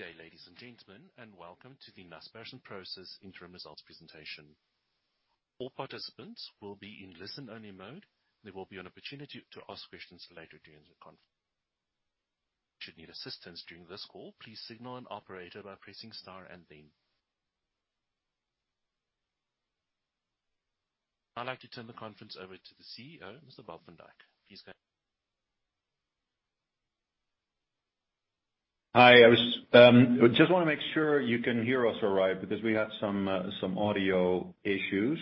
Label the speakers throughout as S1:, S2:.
S1: Good day, ladies and gentlemen, welcome to the Naspers and Prosus interim results presentation. All participants will be in listen-only mode. There will be an opportunity to ask questions later during this call, please signal an operator by pressing star and then. I'd like to turn the conference over to the CEO, Mr. Bob van Dijk. Please go ahead.
S2: Hi. I just wanna make sure you can hear us all right because we have some audio issues.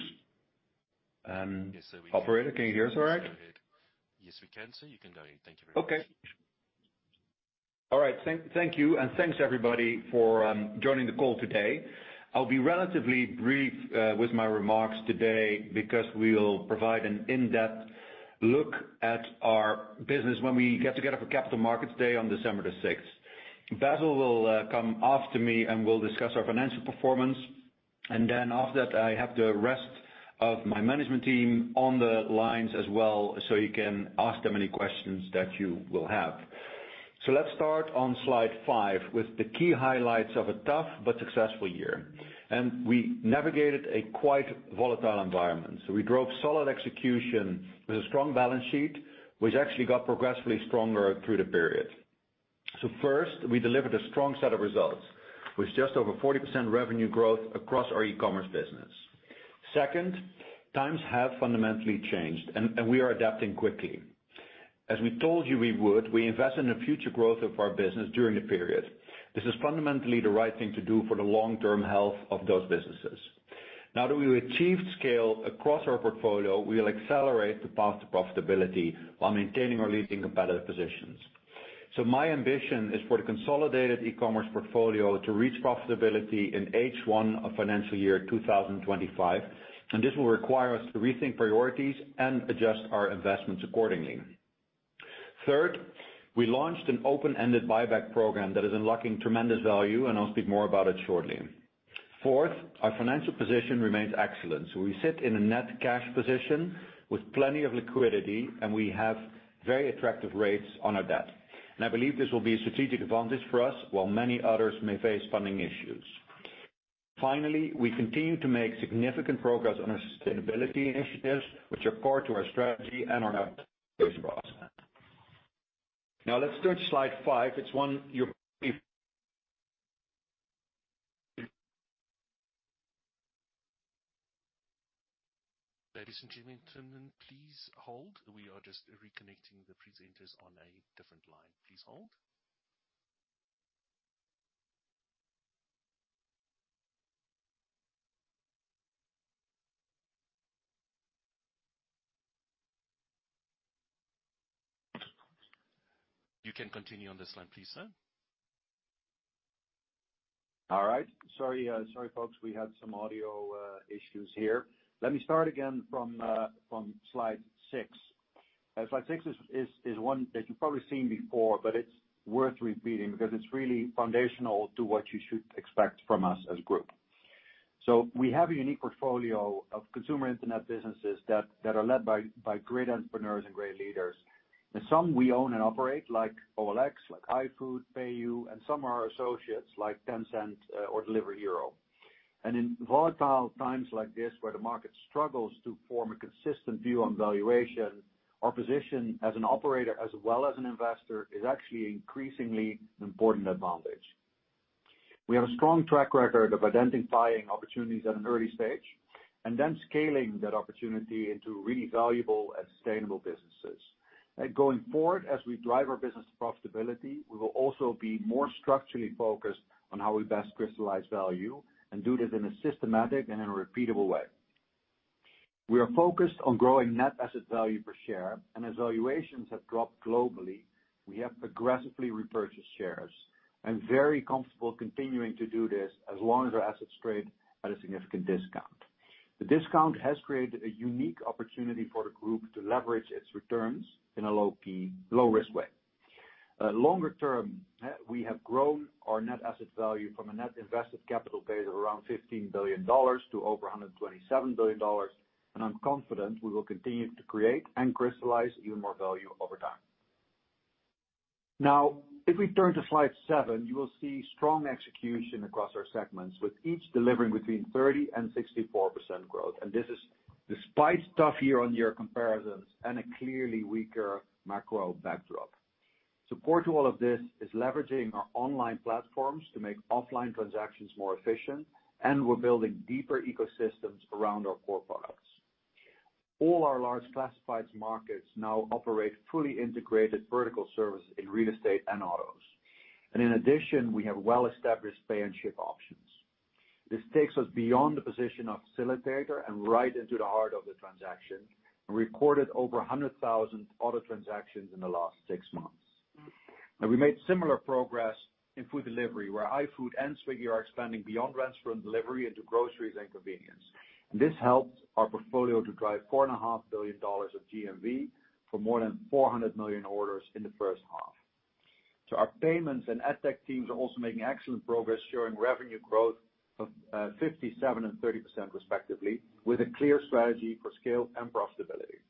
S2: Operator, can you hear us all right?
S1: Yes, we can, sir. You can go ahead. Thank you very much.
S2: Okay. All right, thank you and thanks everybody for joining the call today. I'll be relatively brief with my remarks today because we'll provide an in-depth look at our business when we get together for Capital Markets Day on December 6. Basil will come after me, and we'll discuss our financial performance. After that, I have the rest of my management team on the lines as well, so you can ask them any questions that you will have. Let's start on Slide 5 with the key highlights of a tough but successful year. We navigated a quite volatile environment. We drove solid execution with a strong balance sheet, which actually got progressively stronger through the period. First, we delivered a strong set of results with just over 40% revenue growth across our e-commerce business. Second, times have fundamentally changed, and we are adapting quickly. As we told you we would, we invest in the future growth of our business during the period. This is fundamentally the right thing to do for the long-term health of those businesses. Now that we've achieved scale across our portfolio, we'll accelerate the path to profitability while maintaining our leading competitive positions. My ambition is for the consolidated e-commerce portfolio to reach profitability in H1 of FY25, and this will require us to rethink priorities and adjust our investments accordingly. Third, we launched an open-ended buyback program that is unlocking tremendous value, and I'll speak more about it shortly. Fourth, our financial position remains excellent. We sit in a net cash position with plenty of liquidity, and we have very attractive rates on our debt. I believe this will be a strategic advantage for us while many others may face funding issues. Finally, we continue to make significant progress on our sustainability initiatives, which are core to our strategy and our. Let's turn to Slide 5. It's one you.
S1: Ladies and gentlemen, please hold. We are just reconnecting the presenters on a different line. Please hold. You can continue on this line please, sir.
S2: All right. Sorry, folks. We had some audio issues here. Let me start again from Slide 6. Slide 6 is one that you've probably seen before, but it's worth repeating because it's really foundational to what you should expect from us as a group. We have a unique portfolio of consumer internet businesses that are led by great entrepreneurs and great leaders. Some we own and operate like OLX, like iFood, PayU, and some are our associates like Tencent or Delivery Hero. In volatile times like this, where the market struggles to form a consistent view on valuation, our position as an operator as well as an investor is actually increasingly an important advantage. We have a strong track record of identifying opportunities at an early stage and then scaling that opportunity into really valuable and sustainable businesses. Going forward, as we drive our business profitability, we will also be more structurally focused on how we best crystallize value and do this in a systematic and in a repeatable way. We are focused on growing net asset value per share, and as valuations have dropped globally, we have progressively repurchased shares and very comfortable continuing to do this as long as our assets trade at a significant discount. The discount has created a unique opportunity for the group to leverage its returns in a low-key, low-risk way. Longer term, we have grown our net asset value from a net invested capital base of around $15 billion to over $127 billion, and I'm confident we will continue to create and crystallize even more value over time. Now, if we turn to Slide 7, you will see strong execution across our segments, with each delivering between 30% and 64% growth. This is despite tough year-on-year comparisons and a clearly weaker macro backdrop. Support to all of this is leveraging our online platforms to make offline transactions more efficient, and we're building deeper ecosystems around our core products. All our large classified markets now operate fully integrated vertical services in real estate and autos. In addition, we have well-established pay and ship options. This takes us beyond the position of facilitator and right into the heart of the transaction and recorded over 100,000 auto transactions in the last six months. We made similar progress in food delivery, where iFood and Swiggy are expanding beyond restaurant delivery into groceries and convenience. This helped our portfolio to drive four and a half billion dollars of GMV for more than 400 million orders in the first half. Our Payments and EdTech teams are also making excellent progress, showing revenue growth of 57% and 30%, respectively, with a clear strategy for scale and profitability.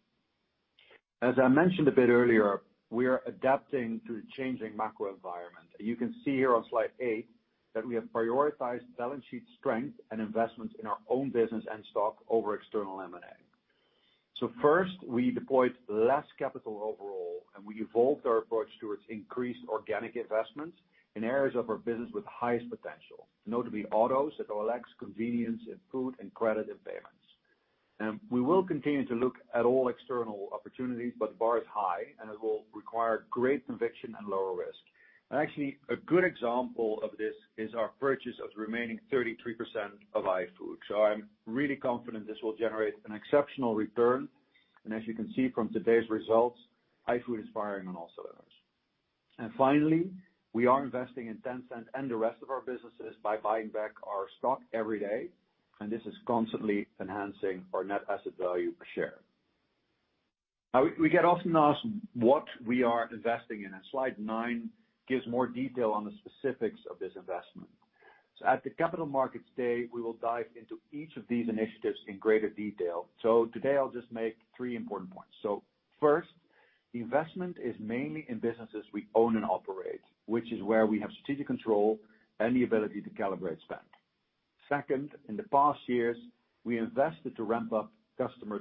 S2: As I mentioned a bit earlier, we are adapting to the changing macro environment. You can see here on Slide 8 that we have prioritized balance sheet strength and investments in our own business and stock over external M&A. First, we deployed less capital overall, and we evolved our approach towards increased organic investments in areas of our business with the highest potential, notably autos at OLX, convenience in food, and credit and Payments. We will continue to look at all external opportunities, but the bar is high, and it will require great conviction and lower risk. Actually, a good example of this is our purchase of the remaining 33% of iFood. I'm really confident this will generate an exceptional return, and as you can see from today's results, iFood is firing on all cylinders. Finally, we are investing in Tencent and the rest of our businesses by buying back our stock every day, and this is constantly enhancing our net asset value per share. We get often asked what we are investing in, and Slide 9 gives more detail on the specifics of this investment. At the Capital Markets Day, we will dive into each of these initiatives in greater detail. Today, I'll just make 3 important points. First, the investment is mainly in businesses we own and operate, which is where we have strategic control and the ability to calibrate spend. Second, in the past years, we invested to ramp up customer.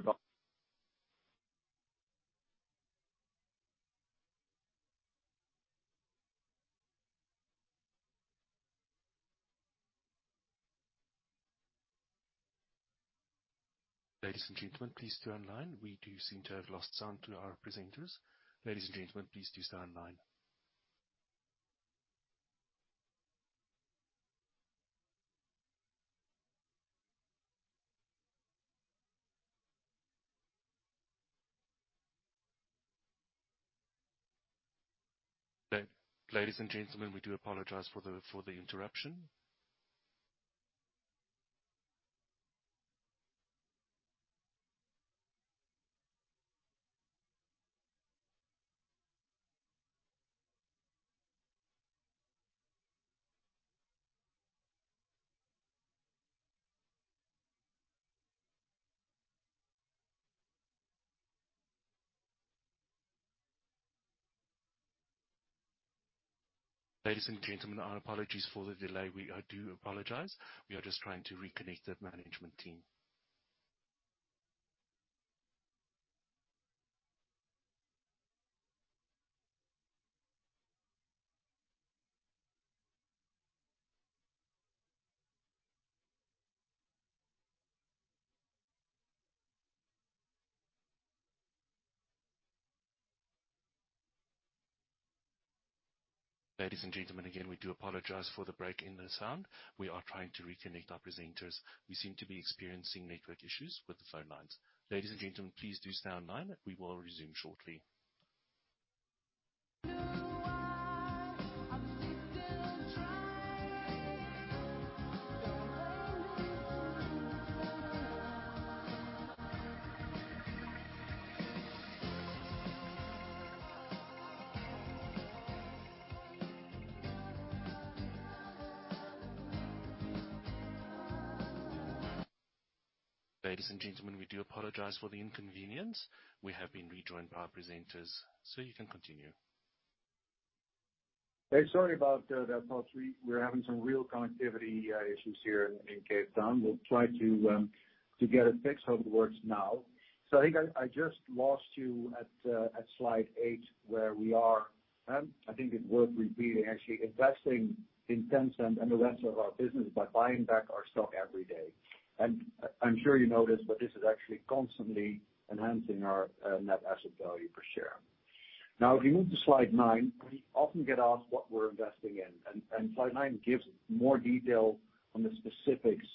S1: Ladies and gentlemen, please stay online. We do seem to have lost sound to our presenters. Ladies and gentlemen, please do stay online. Ladies and gentlemen, we do apologize for the interruption. Ladies and gentlemen, our apologies for the delay. We do apologize. We are just trying to reconnect the management team. Ladies and gentlemen, again, we do apologize for the break in the sound. We are trying to reconnect our presenters. We seem to be experiencing network issues with the phone lines. Ladies and gentlemen, please do stay online. We will resume shortly. Ladies and gentlemen, we do apologize for the inconvenience. We have been rejoined by our presenters, so you can continue.
S2: Hey, sorry about that. We're having some real connectivity issues here in Cape Town. We'll try to get it fixed, hope it works now. I think I just lost you at Slide 8, where we are, I think it's worth repeating, actually, investing in Tencent and the rest of our business by buying back our stock every day. I'm sure you know this, but this is actually constantly enhancing our net asset value per share. If you move to Slide 9, we often get asked what we're investing in, and Slide 9 gives more detail on the specifics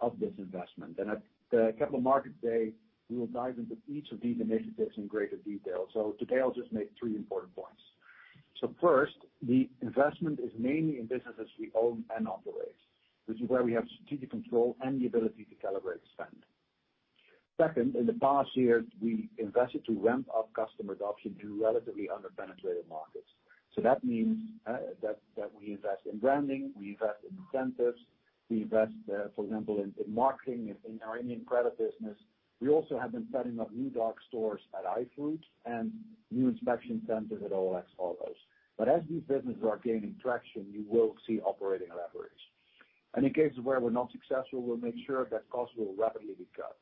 S2: of this investment. At the Capital Markets Day, we will dive into each of these initiatives in greater detail. Today, I'll just make 3 important points. First, the investment is mainly in businesses we own and operate, which is where we have strategic control and the ability to calibrate spend. Second, in the past years, we invested to ramp up customer adoption through relatively under-penetrated markets. That means that we invest in branding, we invest in incentives, we invest, for example, in marketing in our Indian credit business. We also have been setting up new dark stores at iFood and new inspection centers at OLX Autos. As these businesses are gaining traction, you will see operating leverage. In cases where we're not successful, we'll make sure that costs will rapidly be cut.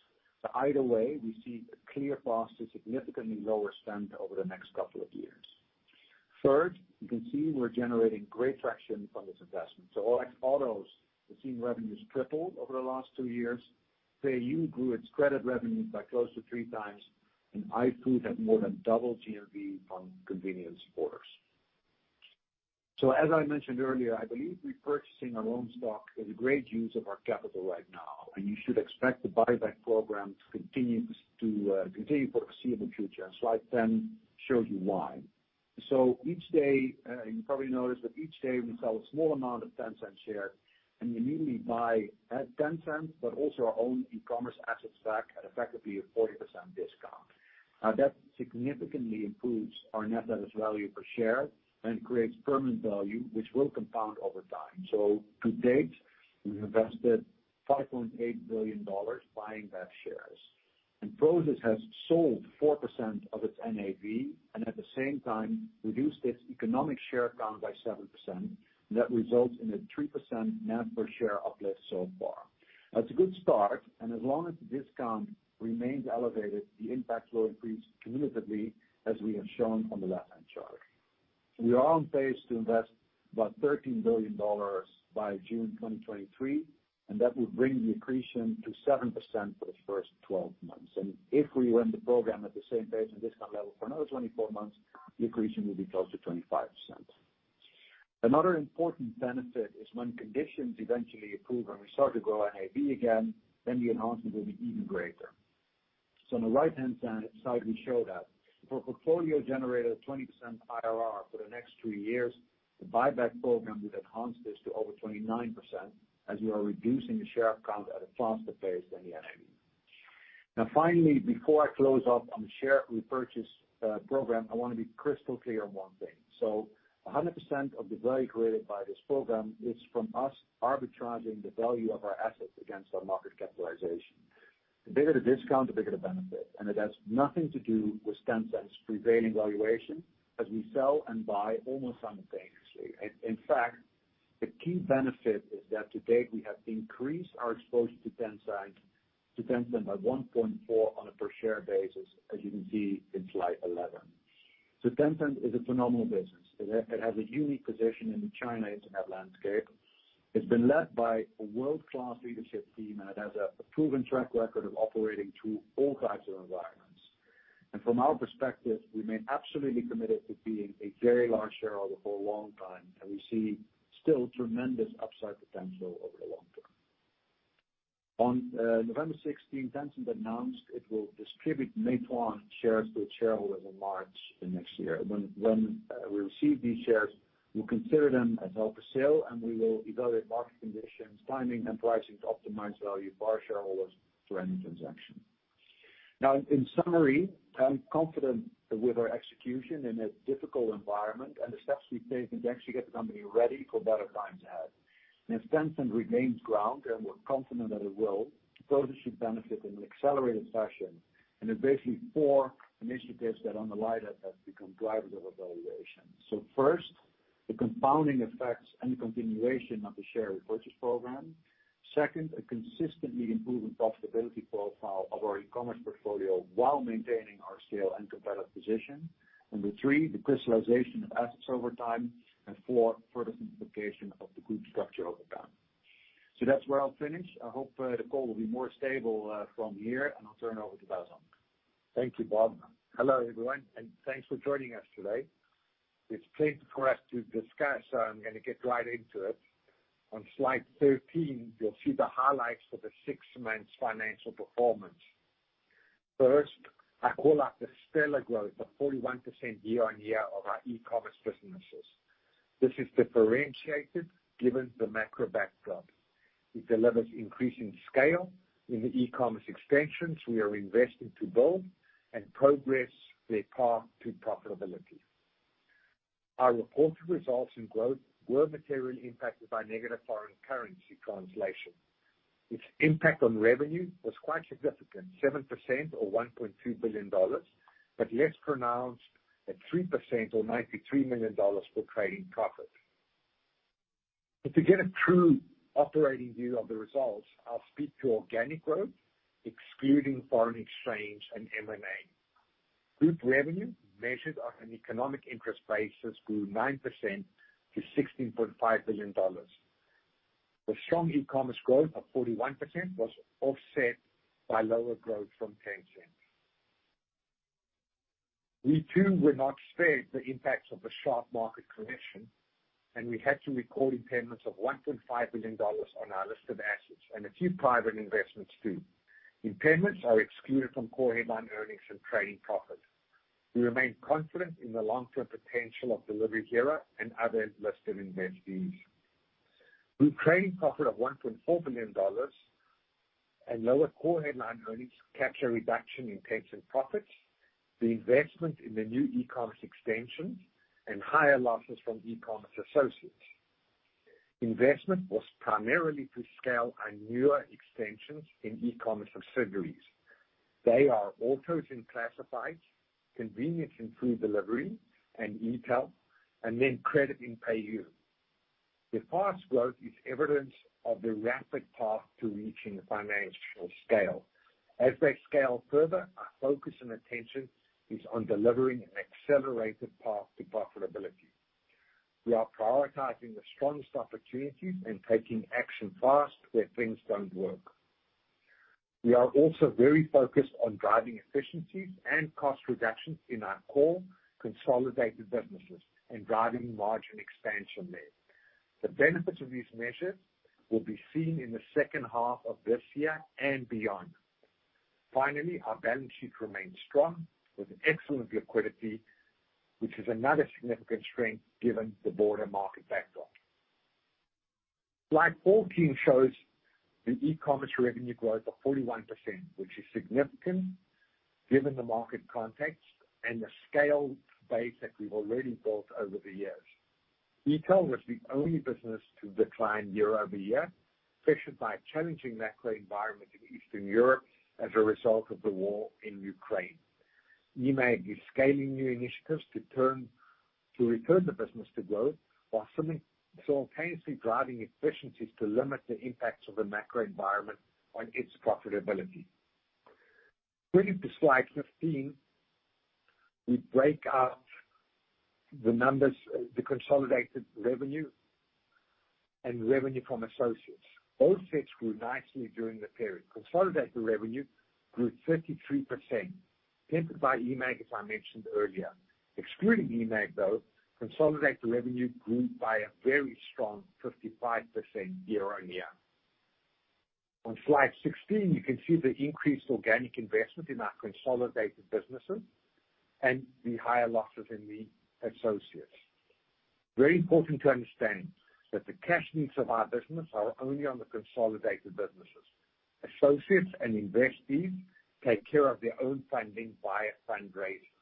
S2: Either way, we see a clear path to significantly lower spend over the next couple of years. Third, you can see we're generating great traction from this investment. OLX Autos has seen revenues triple over the last 2 years. PayU grew its credit revenues by close to 3 times, and iFood had more than double GMV from convenience orders. As I mentioned earlier, I believe repurchasing our own stock is a great use of our capital right now, and you should expect the buyback program to continue for the foreseeable future, and Slide 10 shows you why. Each day, you probably noticed that each day we sell a small amount of Tencent shares, and we immediately buy Tencent, but also our own e-commerce assets back at effectively a 40% discount. That significantly improves our net asset value per share and creates permanent value, which will compound over time. To date, we've invested $5.8 billion buying back shares. Prosus has sold 4% of its NAV, and at the same time reduced its economic share count by 7%. That results in a 3% net per share uplift so far. That's a good start, and as long as the discount remains elevated, the impact will increase cumulatively as we have shown on the left-hand chart. We are on pace to invest about $13 billion by June 2023, and that will bring the accretion to 7% for the first 12 months. If we run the program at the same pace and discount level for another 24 months, the accretion will be close to 25%. Another important benefit is when conditions eventually improve and we start to grow NAV again, the enhancement will be even greater. On the right-hand side, we show that. If our portfolio generated a 20% IRR for the next three years, the buyback program would enhance this to over 29% as we are reducing the share count at a faster pace than the NAV. Finally, before I close up on the share repurchase program, I wanna be crystal clear on one thing. A 100% of the value created by this program is from us arbitraging the value of our assets against our market capitalization. The bigger the discount, the bigger the benefit. It has nothing to do with Tencent's prevailing valuation, as we sell and buy almost simultaneously. In fact, the key benefit is that to date, we have increased our exposure to Tencent by 1.4 on a per share basis, as you can see in Slide 11. Tencent is a phenomenal business. It has a unique position in the China internet landscape. It's been led by a world-class leadership team, and it has a proven track record of operating through all types of environments. From our perspective, we remain absolutely committed to being a very large shareholder for a long time, and we see still tremendous upside potential over the long term. On November 16th, Tencent announced it will distribute Meituan shares to its shareholders in March the next year. When we receive these shares, we'll consider them as held for sale, and we will evaluate market conditions, timing, and pricing to optimize value for our shareholders through any transaction. In summary, I'm confident with our execution in a difficult environment and the steps we've taken to actually get the company ready for better times ahead. If Tencent remains ground, and we're confident that it will, Prosus should benefit in an accelerated fashion. There are basically four initiatives that underlie that become drivers of our valuation. First, the compounding effects and continuation of the share repurchase program. Second, a consistently improving profitability profile of our e-commerce portfolio while maintaining our scale and competitive position. Number three, the crystallization of assets over time. Four, further simplification of the group structure over time. That's where I'll finish. I hope the call will be more stable from here, and I'll turn it over to Basil.
S3: Thank you, Bob. Hello, everyone, thanks for joining us today. It's plenty for us to discuss. I'm gonna get right into it. On Slide 13, you'll see the highlights for the 6 months financial performance. First, I call out the stellar growth of 41% year-over-year of our e-commerce businesses. This is differentiated given the macro backdrop. It delivers increasing scale in the e-commerce extensions we are investing to build and progress their path to profitability. Our reported results and growth were materially impacted by negative foreign currency translation. Its impact on revenue was quite significant, 7% or $1.2 billion. Less pronounced at 3% or $93 million for trading profit. To get a true operating view of the results, I'll speak to organic growth, excluding foreign exchange and M&A. Group revenue measured on an economic interest basis grew 9% to $16.5 billion. The strong e-commerce growth of 41% was offset by lower growth from Tencent. We too were not spared the impacts of the sharp market correction, and we had to record impairments of $1.5 billion on our list of assets and a few private investments too. Impairments are excluded from core headline earnings and trading profit. We remain confident in the long-term potential of Delivery Hero and other listed investees. Group trading profit of $1.4 billion and lower core headline earnings capture a reduction in Tencent profits, the investment in the new e-commerce extensions, and higher losses from e-commerce associates. Investment was primarily to scale our newer extensions in e-commerce subsidiaries. They are autos and classifieds, convenience and food delivery and e-tail, and then credit and PayU. The fast growth is evidence of the rapid path to reaching financial scale. As they scale further, our focus and attention is on delivering an accelerated path to profitability. We are prioritizing the strongest opportunities and taking action fast where things don't work. We are also very focused on driving efficiencies and cost reductions in our core consolidated businesses and driving margin expansion there. The benefits of these measures will be seen in the second half of this year and beyond. Finally, our balance sheet remains strong with excellent liquidity, which is another significant strength given the broader market backdrop. Slide 14 shows the e-commerce revenue growth of 41%, which is significant. Given the market context and the scale base that we've already built over the years. E-tail was the only business to decline year-over-year, affected by a challenging macro environment in Eastern Europe as a result of the war in Ukraine. eMAG is scaling new initiatives to return the business to growth whilst simultaneously driving efficiencies to limit the impacts of the macro environment on its profitability. Turning to Slide 15, we break out the numbers, the consolidated revenue and revenue from associates. Both sets grew nicely during the period. Consolidated revenue grew 33%, tempered by eMAG, as I mentioned earlier. Excluding eMAG, though, consolidated revenue grew by a very strong 55% year-on-year. On Slide 16, you can see the increased organic investment in our consolidated businesses and the higher losses in the associates. Very important to understand that the cash needs of our business are only on the consolidated businesses. Associates and investees take care of their own funding via fundraisers.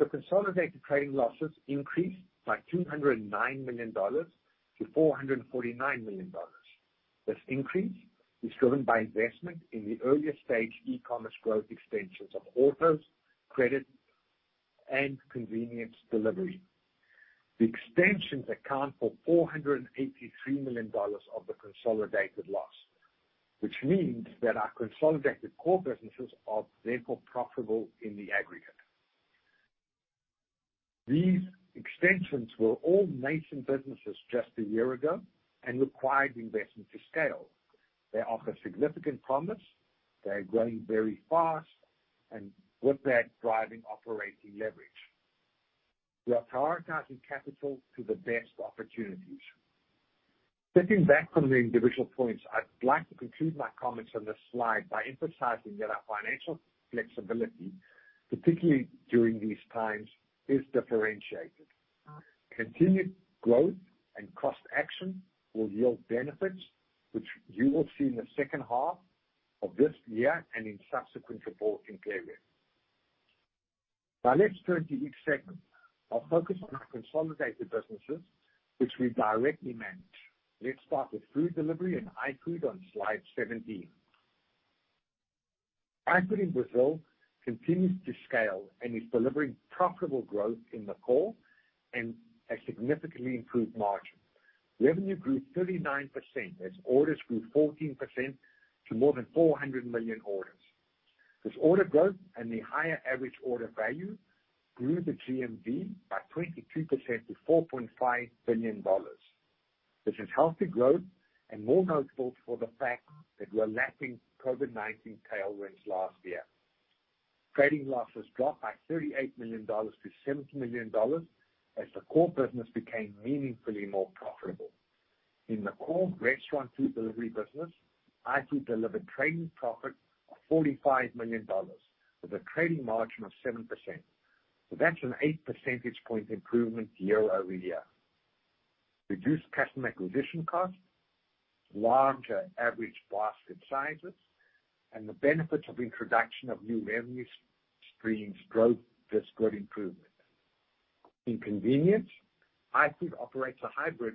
S3: The consolidated trading losses increased by $209 million to $449 million. This increase is driven by investment in the earlier stage e-commerce growth extensions of autos, credit, and convenience delivery. The extensions account for $483 million of the consolidated loss, which means that our consolidated core businesses are therefore profitable in the aggregate. These extensions were all nascent businesses just a year ago and required investment to scale. They offer significant promise, they are growing very fast, and with that, driving operating leverage. We are prioritizing capital to the best opportunities. Stepping back from the individual points, I'd like to conclude my comments on this slide by emphasizing that our financial flexibility, particularly during these times, is differentiated. Continued growth and cost action will yield benefits which you will see in the second half of this year and in subsequent reporting periods. Let's turn to each segment. I'll focus on our consolidated businesses, which we directly manage. Let's start with food delivery and iFood on Slide 17. iFood Brazil continues to scale and is delivering profitable growth in the core and a significantly improved margin. Revenue grew 39% as orders grew 14% to more than 400 million orders. This order growth and the higher average order value grew the GMV by 22% to $4.5 billion. This is healthy growth and more notable for the fact that we are lapping COVID-19 tailwinds last year. Trading losses dropped by $38 million to $70 million as the core business became meaningfully more profitable. In the core restaurant food delivery business, iFood delivered trading profit of $45 million with a trading margin of 7%. That's an 8 percentage point improvement year-over-year. Reduced customer acquisition costs, larger average basket sizes, and the benefits of introduction of new revenue streams drove this good improvement. In convenience, iFood operates a hybrid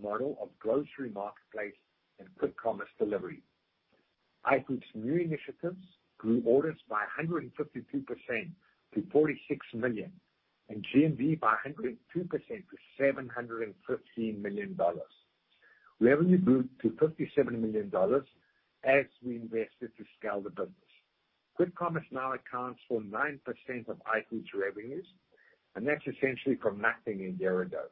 S3: model of grocery marketplace and quick commerce delivery. iFood's new initiatives grew orders by 152% to 46 million and GMV by 102% to $715 million. Revenue grew to $57 million as we invested to scale the business. Quick commerce now accounts for 9% of iFood's revenues, and that's essentially from nothing a year ago.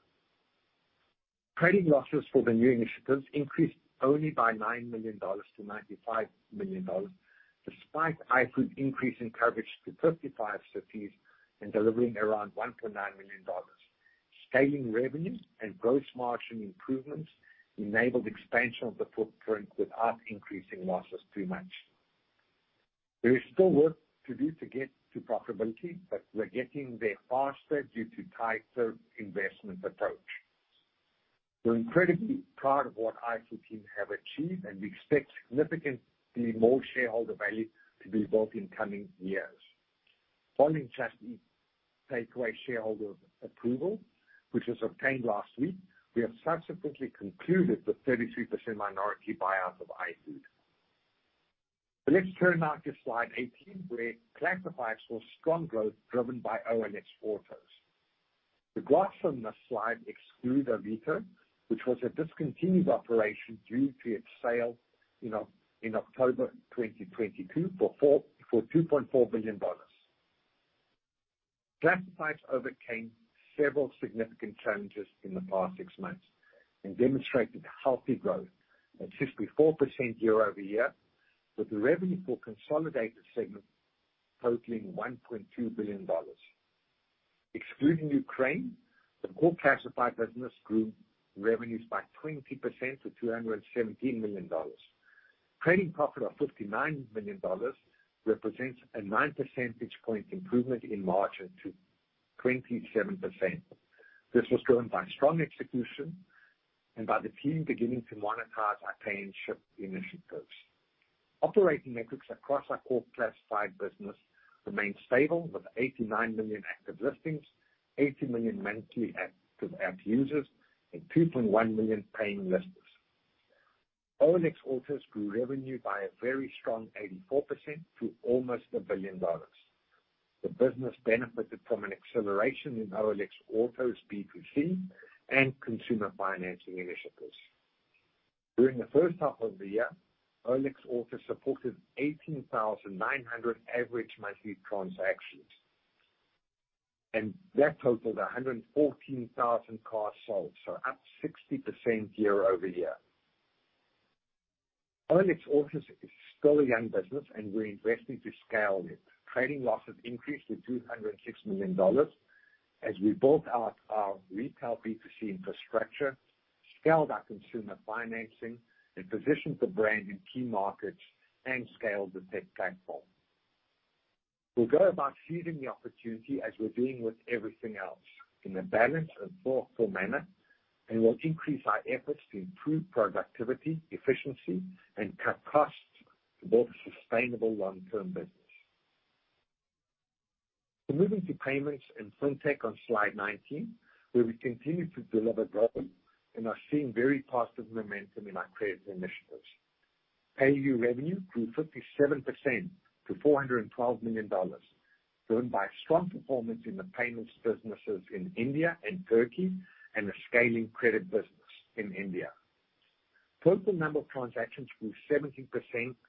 S3: Trading losses for the new initiatives increased only by $9 million to $95 million, despite iFood increasing coverage to 35 cities and delivering around $1.9 million. Scaling revenues and gross margin improvements enabled expansion of the footprint without increasing losses too much. There is still work to do to get to profitability, but we're getting there faster due to tighter investment approach. We're incredibly proud of what iFood team have achieved, and we expect significantly more shareholder value to be built in coming years. Following Just Eat Takeaway.com shareholder approval, which was obtained last week, we have subsequently concluded the 33% minority buyout of iFood. Let's turn now to Slide 18, where Classifieds saw strong growth driven by OLX Autos. The graphs on this slide exclude Avito, which was a discontinued operation due to its sale in October 2022 for $2.4 billion. Classifieds overcame several significant challenges in the past six months and demonstrated healthy growth at 54% year-over-year, with the revenue for consolidated segment totaling $1.2 billion. Excluding Ukraine, the core Classifieds business grew revenues by 20% to $217 million. Trading profit of $59 million represents a 9 percentage point improvement in margin to 27%. This was driven by strong execution. By the team beginning to monetize our pay and ship initiatives. Operating metrics across our core classified business remain stable with 89 million active listings, 80 million monthly active app users, and 2.1 million paying listers. OLX Autos grew revenue by a very strong 84% to almost $1 billion. The business benefited from an acceleration in OLX Autos B2C and consumer financing initiatives. During the first half of the year, OLX Autos supported 18,900 average monthly transactions. That totaled 114,000 cars sold, up 60% year-over-year. OLX Autos is still a young business. We're investing to scale it. Trading losses increased to $206 million as we built out our retail B2C infrastructure, scaled our consumer financing, and positioned the brand in key markets, and scaled the tech platform. We'll go about seizing the opportunity as we're doing with everything else, in a balanced and thoughtful manner. We'll increase our efforts to improve productivity, efficiency, and cut costs to build a sustainable long-term business. Moving to Payments and Fintech on Slide 19, where we continue to deliver growth and are seeing very positive momentum in our credit initiatives. PayU revenue grew 57% to $412 million, driven by strong performance in the Payments businesses in India and Turkey and the scaling credit business in India. Total number of transactions grew 17%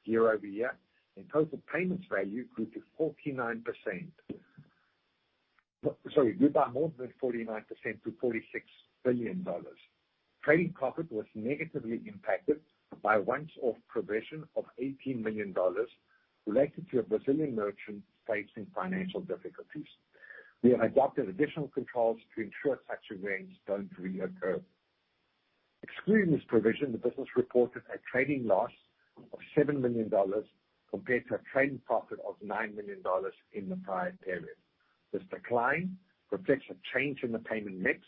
S3: year-over-year, and total payments value, sorry, grew by more than 49% to $46 billion. Trading profit was negatively impacted by once-off provision of $18 million related to a Brazilian merchant facing financial difficulties. We have adopted additional controls to ensure such events don't reoccur. Excluding this provision, the business reported a trading loss of $7 million compared to a trading profit of $9 million in the prior period. This decline reflects a change in the payment mix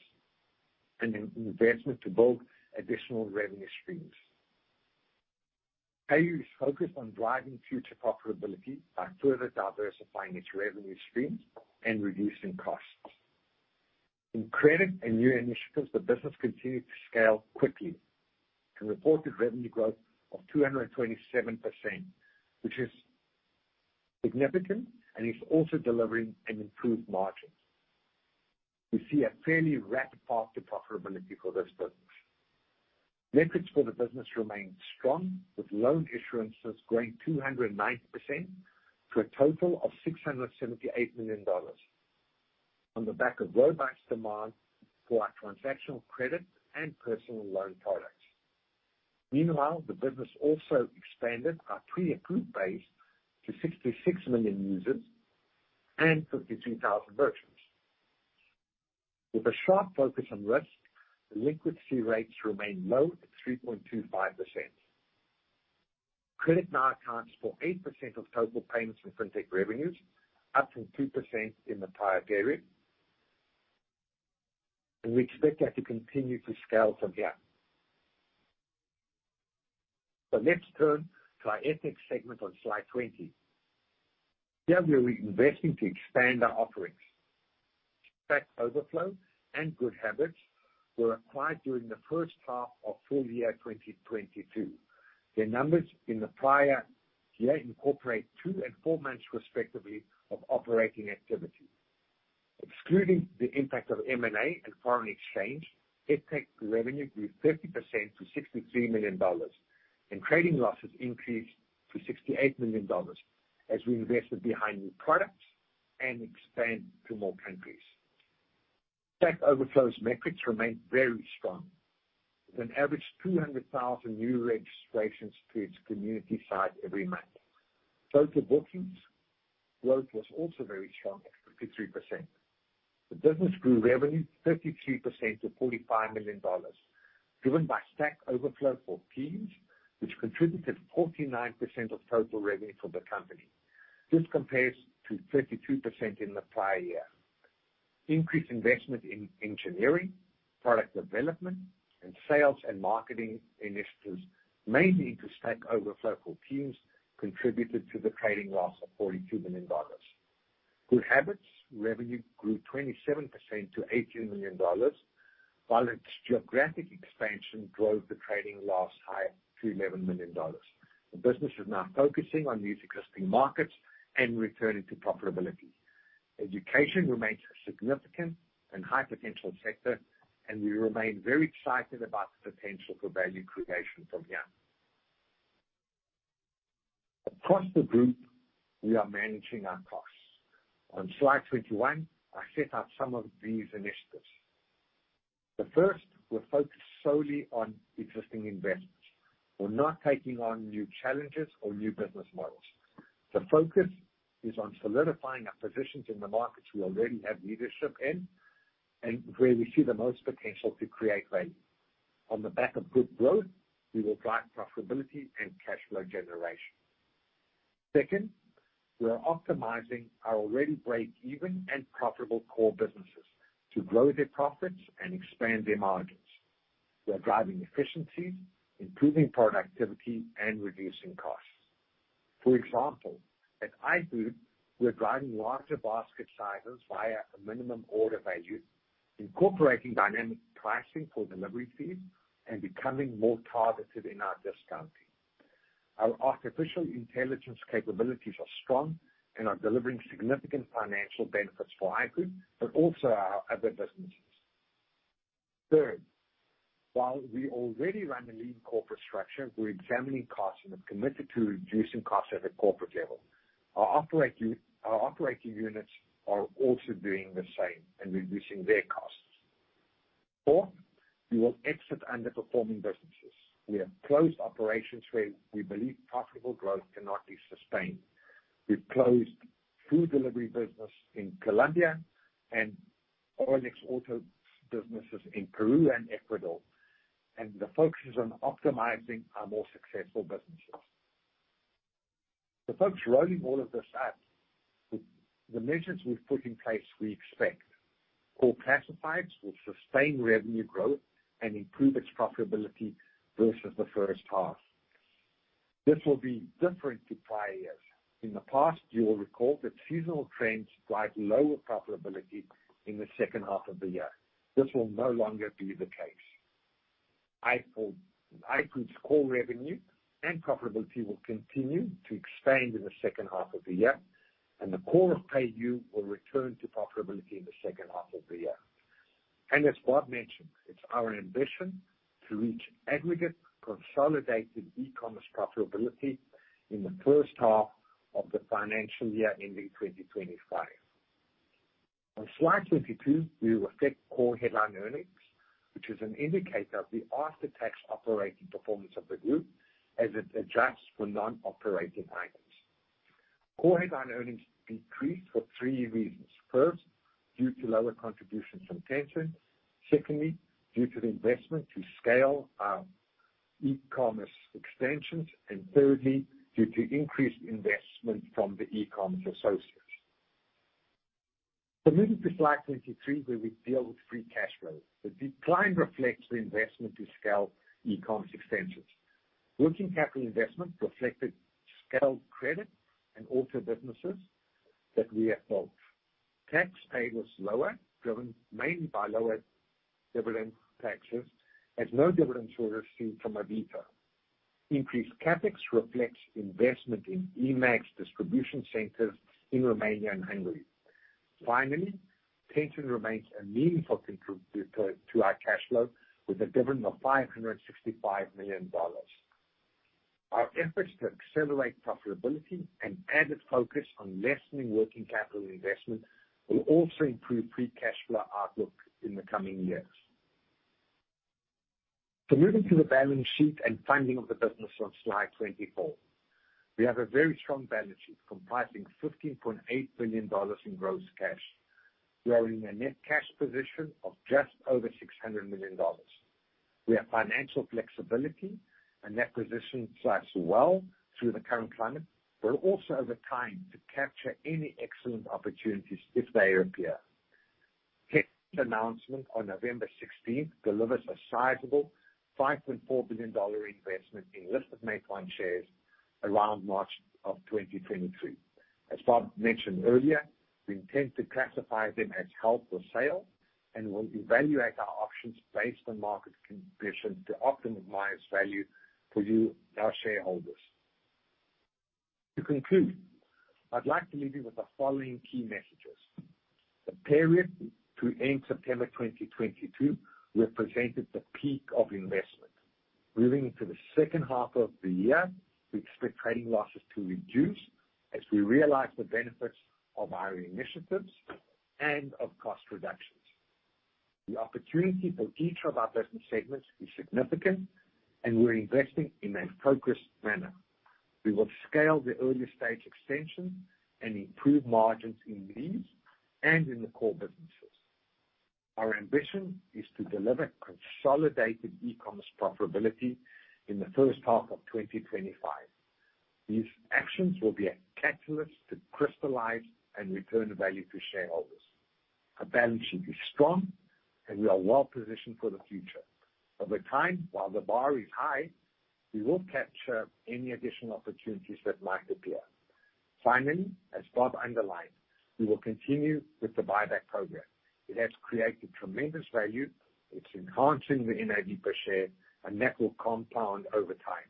S3: and in investment to build additional revenue streams. PayU is focused on driving future profitability by further diversifying its revenue streams and reducing costs. In credit and new initiatives, the business continued to scale quickly and reported revenue growth of 227%, which is significant and is also delivering an improved margin. We see a fairly rapid path to profitability for this business. Metrics for the business remain strong, with loan issuances growing 209% to a total of $678 million on the back of robust demand for our transactional credit and personal loan products. Meanwhile, the business also expanded our pre-approved base to 66 million users and 52,000 merchants. With a sharp focus on risk, delinquency rates remain low at 3.25%. Credit now accounts for 8% of total Payments from Fintech revenues, up from 2% in the prior period. We expect that to continue to scale from here. Let's turn to our Edtech segment on Slide 20. Here we are investing to expand our offerings. Stack Overflow and GoodHabitz were acquired during the first half of full year 2022. Their numbers in the prior year incorporate 2 and 4 months, respectively, of operating activity. Excluding the impact of M&A and foreign exchange, Edtech revenue grew 50% to $63 million. Trading losses increased to $68 million as we invested behind new products and expand to more countries. Stack Overflow's metrics remain very strong, with an average 200,000 new registrations to its community site every month. Total bookings growth was also very strong at 53%. The business grew revenue 33% to $45 million, driven by Stack Overflow for Teams, which contributed 49% of total revenue for the company. This compares to 32% in the prior year. Increased investment in engineering, product development, and sales and marketing initiatives, mainly to Stack Overflow for Teams, contributed to the trading loss of $42 million. GoodHabitz revenue grew 27% to $18 million, while its geographic expansion drove the trading loss higher to $11 million. The business is now focusing on these existing markets and returning to profitability. Education remains a significant and high potential sector. We remain very excited about the potential for value creation from here. Across the group, we are managing our costs. On Slide 21, I set out some of these initiatives. The first will focus solely on existing investments. We're not taking on new challenges or new business models. The focus is on solidifying our positions in the markets we already have leadership in and where we see the most potential to create value. On the back of good growth, we will drive profitability and cash flow generation. Second, we are optimizing our already breakeven and profitable core businesses to grow their profits and expand their margins. We are driving efficiencies, improving productivity, and reducing costs. For example, at iFood, we are driving larger basket sizes via a minimum order value, incorporating dynamic pricing for delivery fees, and becoming more targeted in our discounting. Our artificial intelligence capabilities are strong and are delivering significant financial benefits for iFood, but also our other businesses. Third, while we already run a lean corporate structure, we're examining costs and have committed to reducing costs at a corporate level. Our operating units are also doing the same and reducing their costs. Fourth, we will exit underperforming businesses. We have closed operations where we believe profitable growth cannot be sustained. We've closed food delivery business in Colombia and OLX Autos businesses in Peru and Ecuador. The focus is on optimizing our more successful businesses. Folks, rounding all of this up, the measures we've put in place, we expect Core Classifieds will sustain revenue growth and improve its profitability versus the first half. This will be different to prior years. In the past, you will recall that seasonal trends drive lower profitability in the second half of the year. This will no longer be the case. iFood's core revenue and profitability will continue to expand in the second half of the year. The core of PayU will return to profitability in the second half of the year. As Bob mentioned, it's our ambition to reach aggregate consolidated e-commerce profitability in the first half of the financial year ending 2025. On Slide 22, we reflect core headline earnings, which is an indicator of the after-tax operating performance of the group as it adjusts for non-operating items. Core headline earnings decreased for three reasons. First, due to lower contributions from Tencent. Secondly, due to the investment to scale our e-commerce extensions. Thirdly, due to increased investment from the e-commerce associates. Moving to Slide 23, where we deal with free cash flow. The decline reflects the investment to scale e-commerce extensions. Working capital investment reflected scaled credit and auto businesses that we have sold. Tax paid was lower, driven mainly by lower dividend taxes, as no dividends were received from Avito. Increased CapEx reflects investment in eMAG's distribution centers in Romania and Hungary. Tencent remains a meaningful contributor to our cash flow with a dividend of $565 million. Our efforts to accelerate profitability and added focus on lessening working capital investment will also improve free cash flow outlook in the coming years. Moving to the balance sheet and funding of the business on Slide 24. We have a very strong balance sheet comprising $15.8 billion in gross cash. We are in a net cash position of just over $600 million. We have financial flexibility and net position serves us well through the current climate, but also over time to capture any excellent opportunities if they appear. Tencent's announcement on November 16th delivers a sizable $5.4 billion investment in listed Meituan shares around March 2023. As Bob mentioned earlier, we intend to classify them as held for sale and will evaluate our options based on market conditions to optimize value for you, our shareholders. To conclude, I'd like to leave you with the following key messages. The period to end September 2022 represented the peak of investment. Moving into the second half of the year, we expect trading losses to reduce as we realize the benefits of our initiatives and of cost reductions. The opportunity for each of our business segments is significant, and we're investing in a focused manner. We will scale the earlier stage extension and improve margins in these and in the core businesses. Our ambition is to deliver consolidated e-commerce profitability in the first half of 2025. These actions will be a catalyst to crystallize and return the value to shareholders. Our balance sheet is strong. We are well positioned for the future. Over time, while the bar is high, we will capture any additional opportunities that might appear. Finally, as Bob underlined, we will continue with the buyback program. It has created tremendous value. It's enhancing the NAV per share. That will compound over time.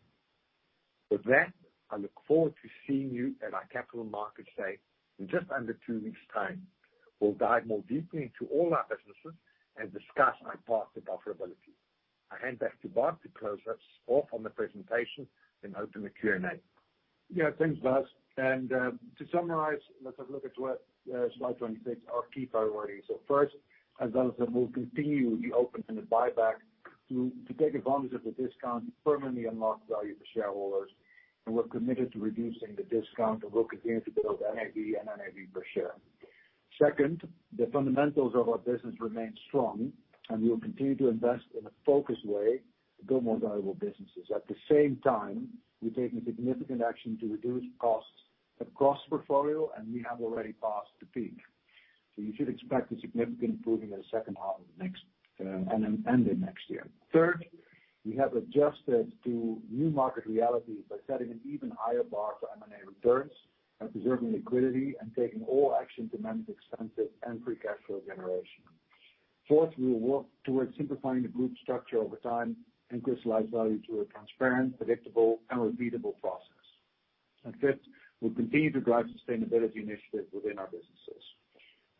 S3: With that, I look forward to seeing you at our Capital Markets Day in just under two weeks' time. We'll dive more deeply into all our businesses and discuss our path to profitability. I hand back to Bob to close us off on the presentation, then open the Q&A.
S2: Thanks, Basil. To summarize, let's have a look at what Slide 26, our key priorities. First, as Basil said, we'll continue with the open and the buyback to take advantage of the discount to permanently unlock value for shareholders, we're committed to reducing the discount, we'll continue to build NAV and NAV per share. Second, the fundamentals of our business remain strong and we will continue to invest in a focused way to build more valuable businesses. At the same time, we're taking significant action to reduce costs across portfolio, we have already passed the peak. You should expect a significant improving in the second half of next year. We have adjusted to new market realities by setting an even higher bar for M&A returns and preserving liquidity and taking all action to manage expenses and free cash flow generation. We will work towards simplifying the group structure over time and crystallize value through a transparent, predictable and repeatable process. Fifth, we'll continue to drive sustainability initiatives within our businesses.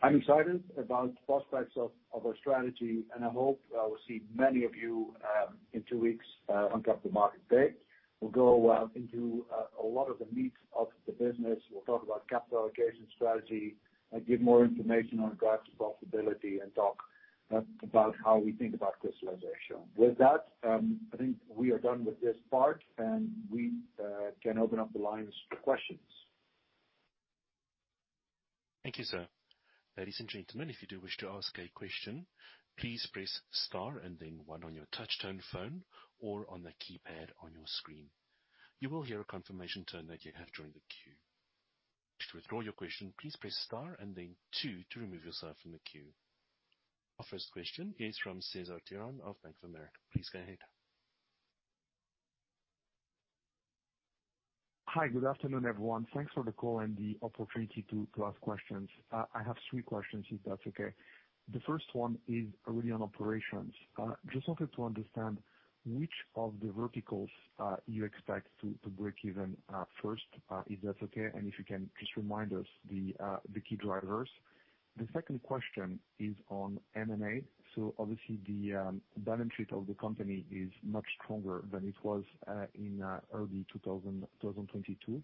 S2: I'm excited about prospects of our strategy, and I hope we'll see many of you in 2 weeks on Capital Markets Day. We'll go into a lot of the meat of the business. We'll talk about capital allocation strategy and give more information on guide to profitability and talk about how we think about crystallization. With that, I think we are done with this part. We can open up the lines for questions.
S1: Thank you, sir. Ladies and gentlemen, if you do wish to ask a question, please press star and then one on your touch tone phone or on the keypad on your screen. You will hear a confirmation tone that you have joined the queue. To withdraw your question, please press star and then two to remove yourself from the queue. Our first question is from Cesar Tiron of Bank of America. Please go ahead.
S4: Hi, good afternoon, everyone. Thanks for the call and the opportunity to ask questions. I have three questions, if that's okay. The first one is really on operations. Just wanted to understand which of the verticals you expect to break even first, if that's okay, and if you can just remind us the key drivers? The second question is on M&A. Obviously the balance sheet of the company is much stronger than it was in early 2022,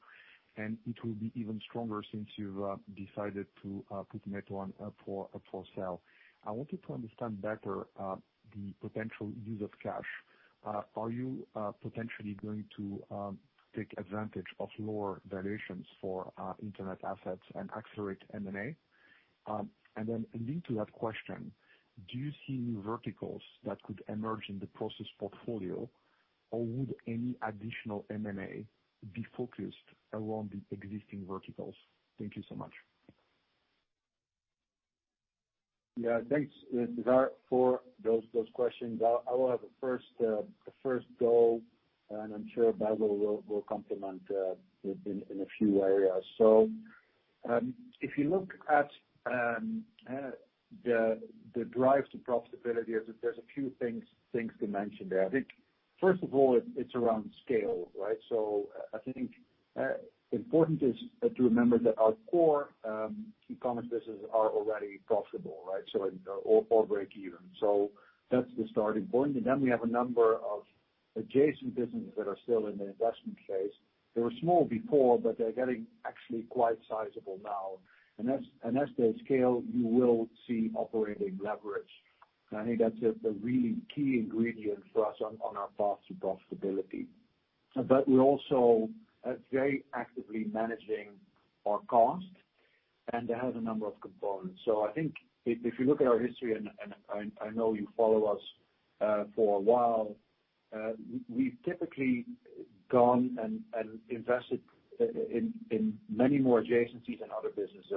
S4: and it will be even stronger since you've decided to put Meituan up for sale. I wanted to understand better the potential use of cash. Are you potentially going to take advantage of lower valuations for internet assets and accelerate M&A? Then indeed to that question, do you see verticals that could emerge in the Prosus portfolio? Or would any additional M&A be focused around the existing verticals? Thank you so much.
S2: Yeah, thanks, Cesar, for those questions. I will have a first go, and I'm sure Basil will complement in a few areas. If you look at the drive to profitability, there's a few things to mention there. I think first of all, it's around scale, right? I think important is to remember that our core e-commerce business are already profitable, right? Or break even. That's the starting point. We have a number of adjacent businesses that are still in the investment phase. They were small before, but they're getting actually quite sizable now. As they scale, you will see operating leverage. I think that's the really key ingredient for us on our path to profitability. We're also very actively managing our cost, and that has a number of components. I think if you look at our history, and I know you follow us for a while, we've typically gone and invested in many more adjacencies and other businesses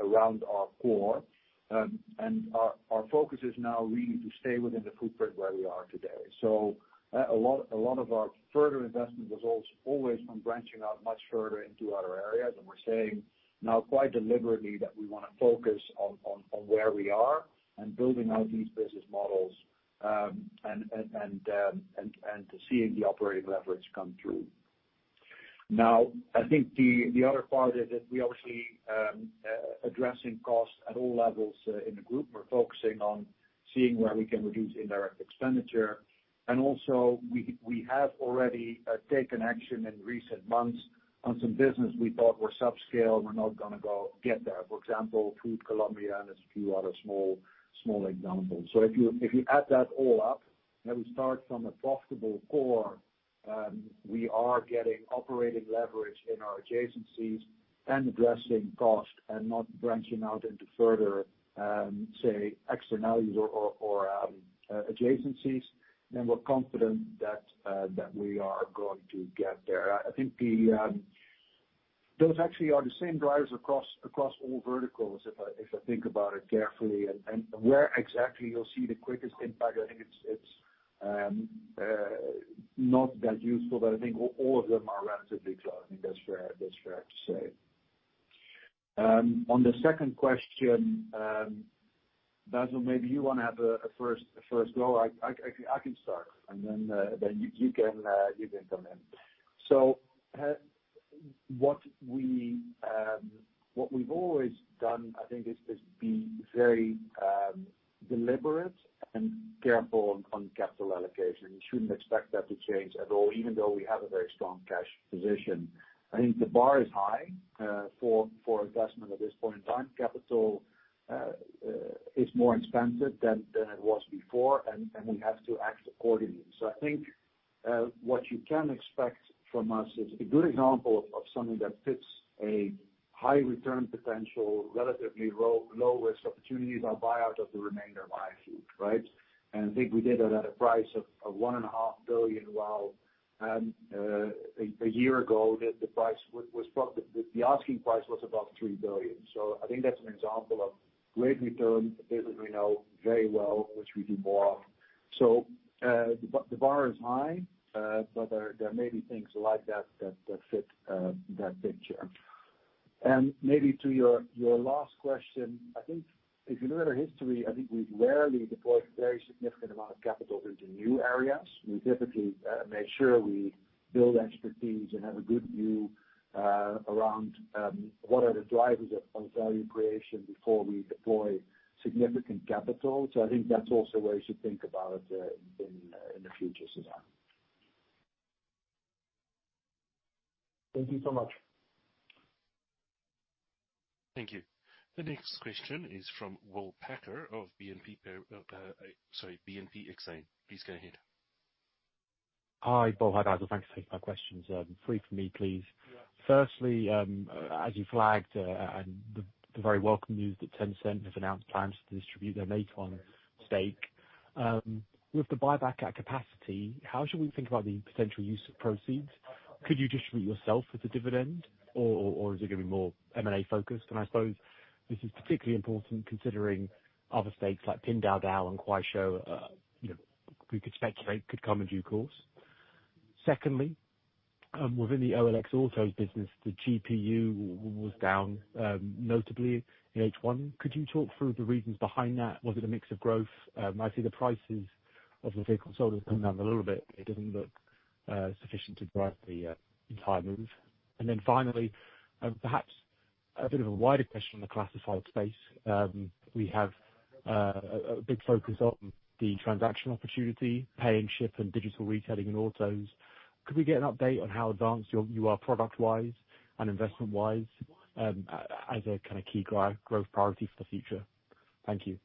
S2: around our core. Our focus is now really to stay within the footprint where we are today. A lot of our further investment was also always from branching out much further into other areas. We're saying now quite deliberately that we wanna focus on where we are and building out these business models, and to seeing the operating leverage come through. I think the other part is that we obviously addressing costs at all levels in the group. We're focusing on seeing where we can reduce indirect expenditure. Also we have already taken action in recent months on some business we thought were subscale, we're not gonna go get there. For example, iFood Colombia and there's a few other small examples. If you add that all up, and we start from a profitable core, we are getting operating leverage in our adjacencies and addressing cost and not branching out into further, say externalities or adjacencies, we're confident that we are going to get there. I think the those actually are the same drivers across all verticals, if I think about it carefully and where exactly you'll see the quickest impact, I think it's not that useful, but I think all of them are relatively close. I think that's fair to say. On the second question, Basil, maybe you wanna have a first go. I can start and then you can come in. What we've always done, I think is be very deliberate and careful on capital allocation. You shouldn't expect that to change at all, even though we have a very strong cash position. I think the bar is high for investment at this point in time. Capital is more expensive than it was before, and we have to act accordingly. What you can expect from us is a good example of something that fits a high return potential, relatively low risk opportunities are buyout of the remainder of iFood, right? I think we did that at a price of one and a half billion, while a year ago, the price was the asking price was above $3 billion. I think that's an example of great return, a business we know very well, which we do more of. The bar is high, but there may be things like that that fit that picture. Maybe to your last question, I think if you look at our history, I think we've rarely deployed very significant amount of capital into new areas. We typically make sure we build expertise and have a good view around what are the drivers of value creation before we deploy significant capital. I think that's also a way to think about it in the future, Suzanne.
S5: Thank you so much.
S1: Thank you. The next question is from Will Packer of sorry, BNP Exane. Please go ahead.
S6: Hi, Bob. Hi, guys. Thanks for taking my questions. Three for me, please. Firstly, as you flagged, and the very welcome news that Tencent has announced plans to distribute their Meituan stake, with the buyback at capacity, how should we think about the potential use of proceeds? Could you distribute yourself with the dividend or is it gonna be more M&A focused? I suppose this is particularly important considering other stakes like Pinduoduo and Kuaishou, you know, we could speculate could come a due course. Secondly, within the OLX Autos business, the GPU was down notably in H1. Could you talk through the reasons behind that? Was it a mix of growth? I see the prices of the vehicles sold has come down a little bit. It doesn't look sufficient to drive the entire move. Finally, perhaps a bit of a wider question on the classified space. We have a big focus on the transaction opportunity, pay and ship and digital retailing and autos. Could we get an update on how advanced you are product-wise and investment-wise as a kinda key growth priority for the future? Thank you.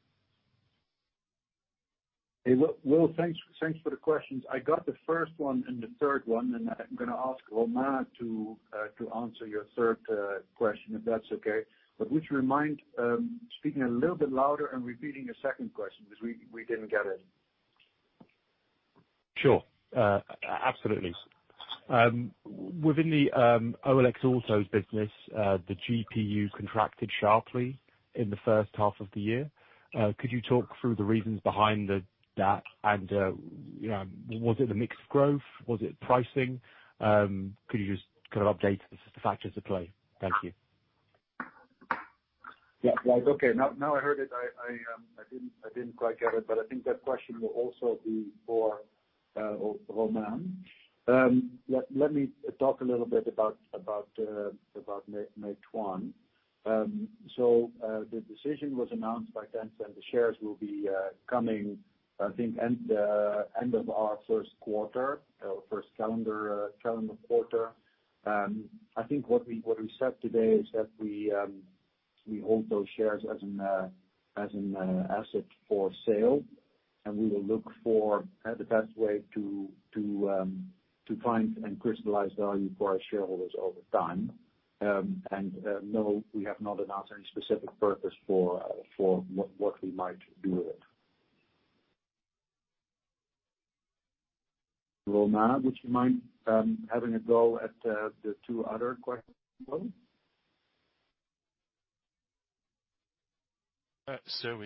S2: Hey, Will, thanks for the questions. I got the first one and the third one, and I'm gonna ask Romain to answer your third question, if that's okay. Would you remind speaking a little bit louder and repeating your second question because we didn't get it.
S6: Sure. Absolutely. Within the OLX Autos business, the GPU contracted sharply in the first half of the year. Could you talk through the reasons behind that and, you know, was it the mix growth? Was it pricing? Could you just kind of update the factors at play? Thank you.
S2: Yeah. Like, okay, now I heard it. I didn't quite get it, but I think that question will also be for Romain. Let me talk a little bit about Meituan. The decision was announced by Tencent. The shares will be coming, I think end of our Q1, first calendar quarter. I think what we said today is that we hold those shares as an asset for sale, and we will look for the best way to find and crystallize value for our shareholders over time. No, we have not announced any specific purpose for what we might do with it. Romain, would you mind having a go at the two other questions?
S1: Sir,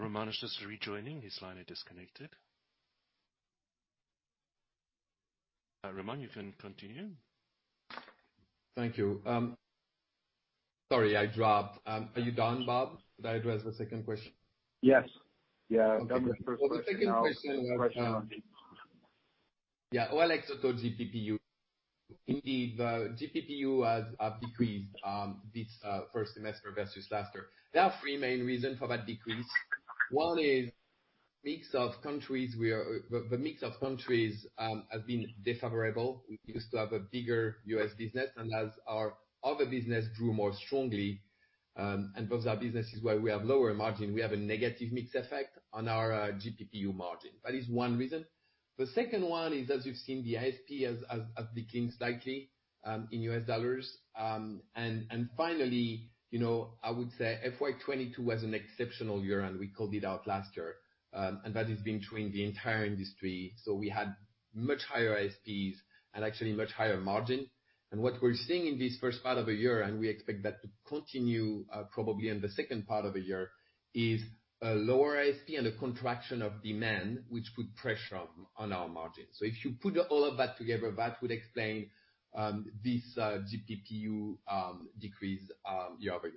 S1: Romain is just rejoining. His line had disconnected. Romain, you can continue.
S7: Thank you. Sorry, I dropped. Are you done, Bob? Did I address the second question?
S2: Yes. Yeah.
S7: Okay.
S2: You've done the first one. Now.
S7: The second question.
S2: The second one is-
S7: Yeah, OLX Autos GPPU. Indeed, GPPU has decreased this first semester versus last year. There are three main reasons for that decrease. One is mix of countries. The mix of countries have been favorable. We used to have a bigger U.S. business, and as our other business grew more strongly, and those are businesses where we have lower margin, we have a negative mix effect on our GPPU margin. That is one reason. The second one is, as you've seen, the ASP has declined slightly in U.S. dollars. Finally, you know, I would say FY22 was an exceptional year, and we called it out last year. That is between the entire industry. We had much higher ASPs and actually much higher margin. What we're seeing in this first part of the year, and we expect that to continue, probably in the second part of the year, is a lower ASP and a contraction of demand which put pressure on our margin. If you put all of that together, that would explain this GPU decrease year-over-year.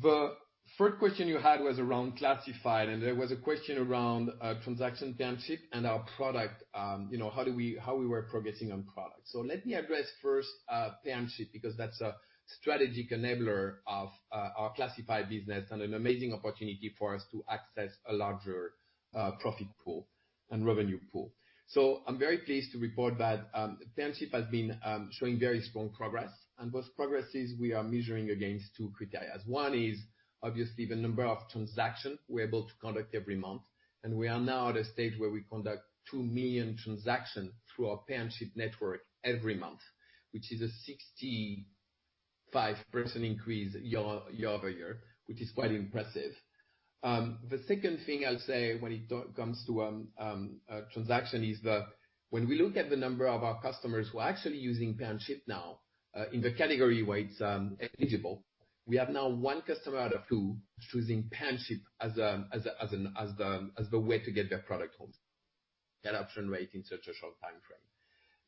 S7: The third question you had was around classified, and there was a question around transaction pay and ship and our product, you know, how we were progressing on product. Let me address first pay and ship because that's Strategic enabler of our classified business and an amazing opportunity for us to access a larger profit pool and revenue pool. I'm very pleased to report that Pay and Ship has been showing very strong progress. Those progresses we are measuring against two criteria. One is obviously the number of transactions we're able to conduct every month, and we are now at a stage where we conduct 2 million transactions through our Pay and Ship network every month, which is a 65% increase year-over-year, which is quite impressive. The second thing I'll say when it comes to transaction is that when we look at the number of our customers who are actually using Pay and Ship now, in the category where it's eligible, we have now 1 customer out of 2 choosing Pay and Ship as the way to get their product home. Adoption rate in such a short timeframe.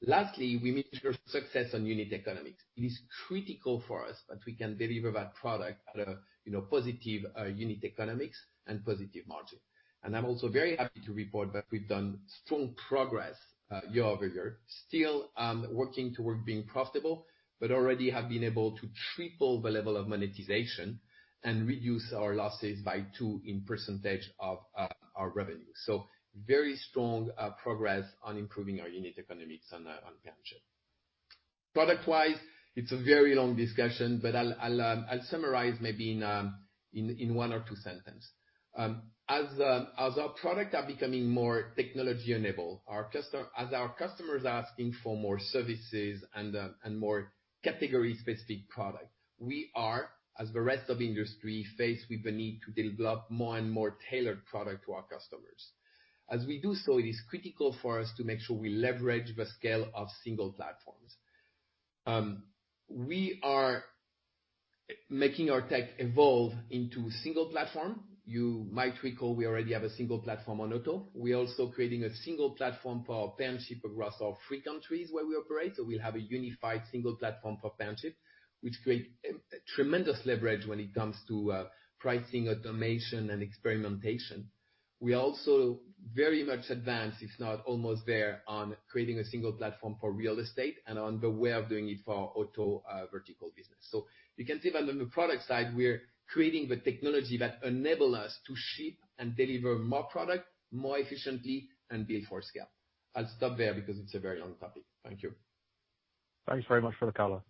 S7: Lastly, we measure success on unit economics. It is critical for us that we can deliver that product at a, you know, positive unit economics and positive margin. I'm also very happy to report that we've done strong progress year over year. Still working toward being profitable, but already have been able to triple the level of monetization and reduce our losses by two in percentage of our revenue. Very strong progress on improving our unit economics on pay and ship. Product-wise, it's a very long discussion, but I'll summarize maybe in one or two sentence. As our product are becoming more technology-enabled, as our customers are asking for more services and more category-specific product, we are, as the rest of industry, faced with the need to develop more and more tailored product to our customers. As we do so, it is critical for us to make sure we leverage the scale of single platforms. We are making our tech evolve into single platform. You might recall we already have a single platform on Auto. We're also creating a single platform for Pay and Ship across our three countries where we operate. We'll have a unified single platform for Pay and Ship, which create a tremendous leverage when it comes to pricing, automation and experimentation. We also very much advanced, it's now almost there, on creating a single platform for Real Estate and on the way of doing it for our Auto vertical business. You can see that on the product side, we're creating the technology that enable us to ship and deliver more product more efficiently and build for scale. I'll stop there because it's a very long topic. Thank you.
S6: Thanks very much for the color.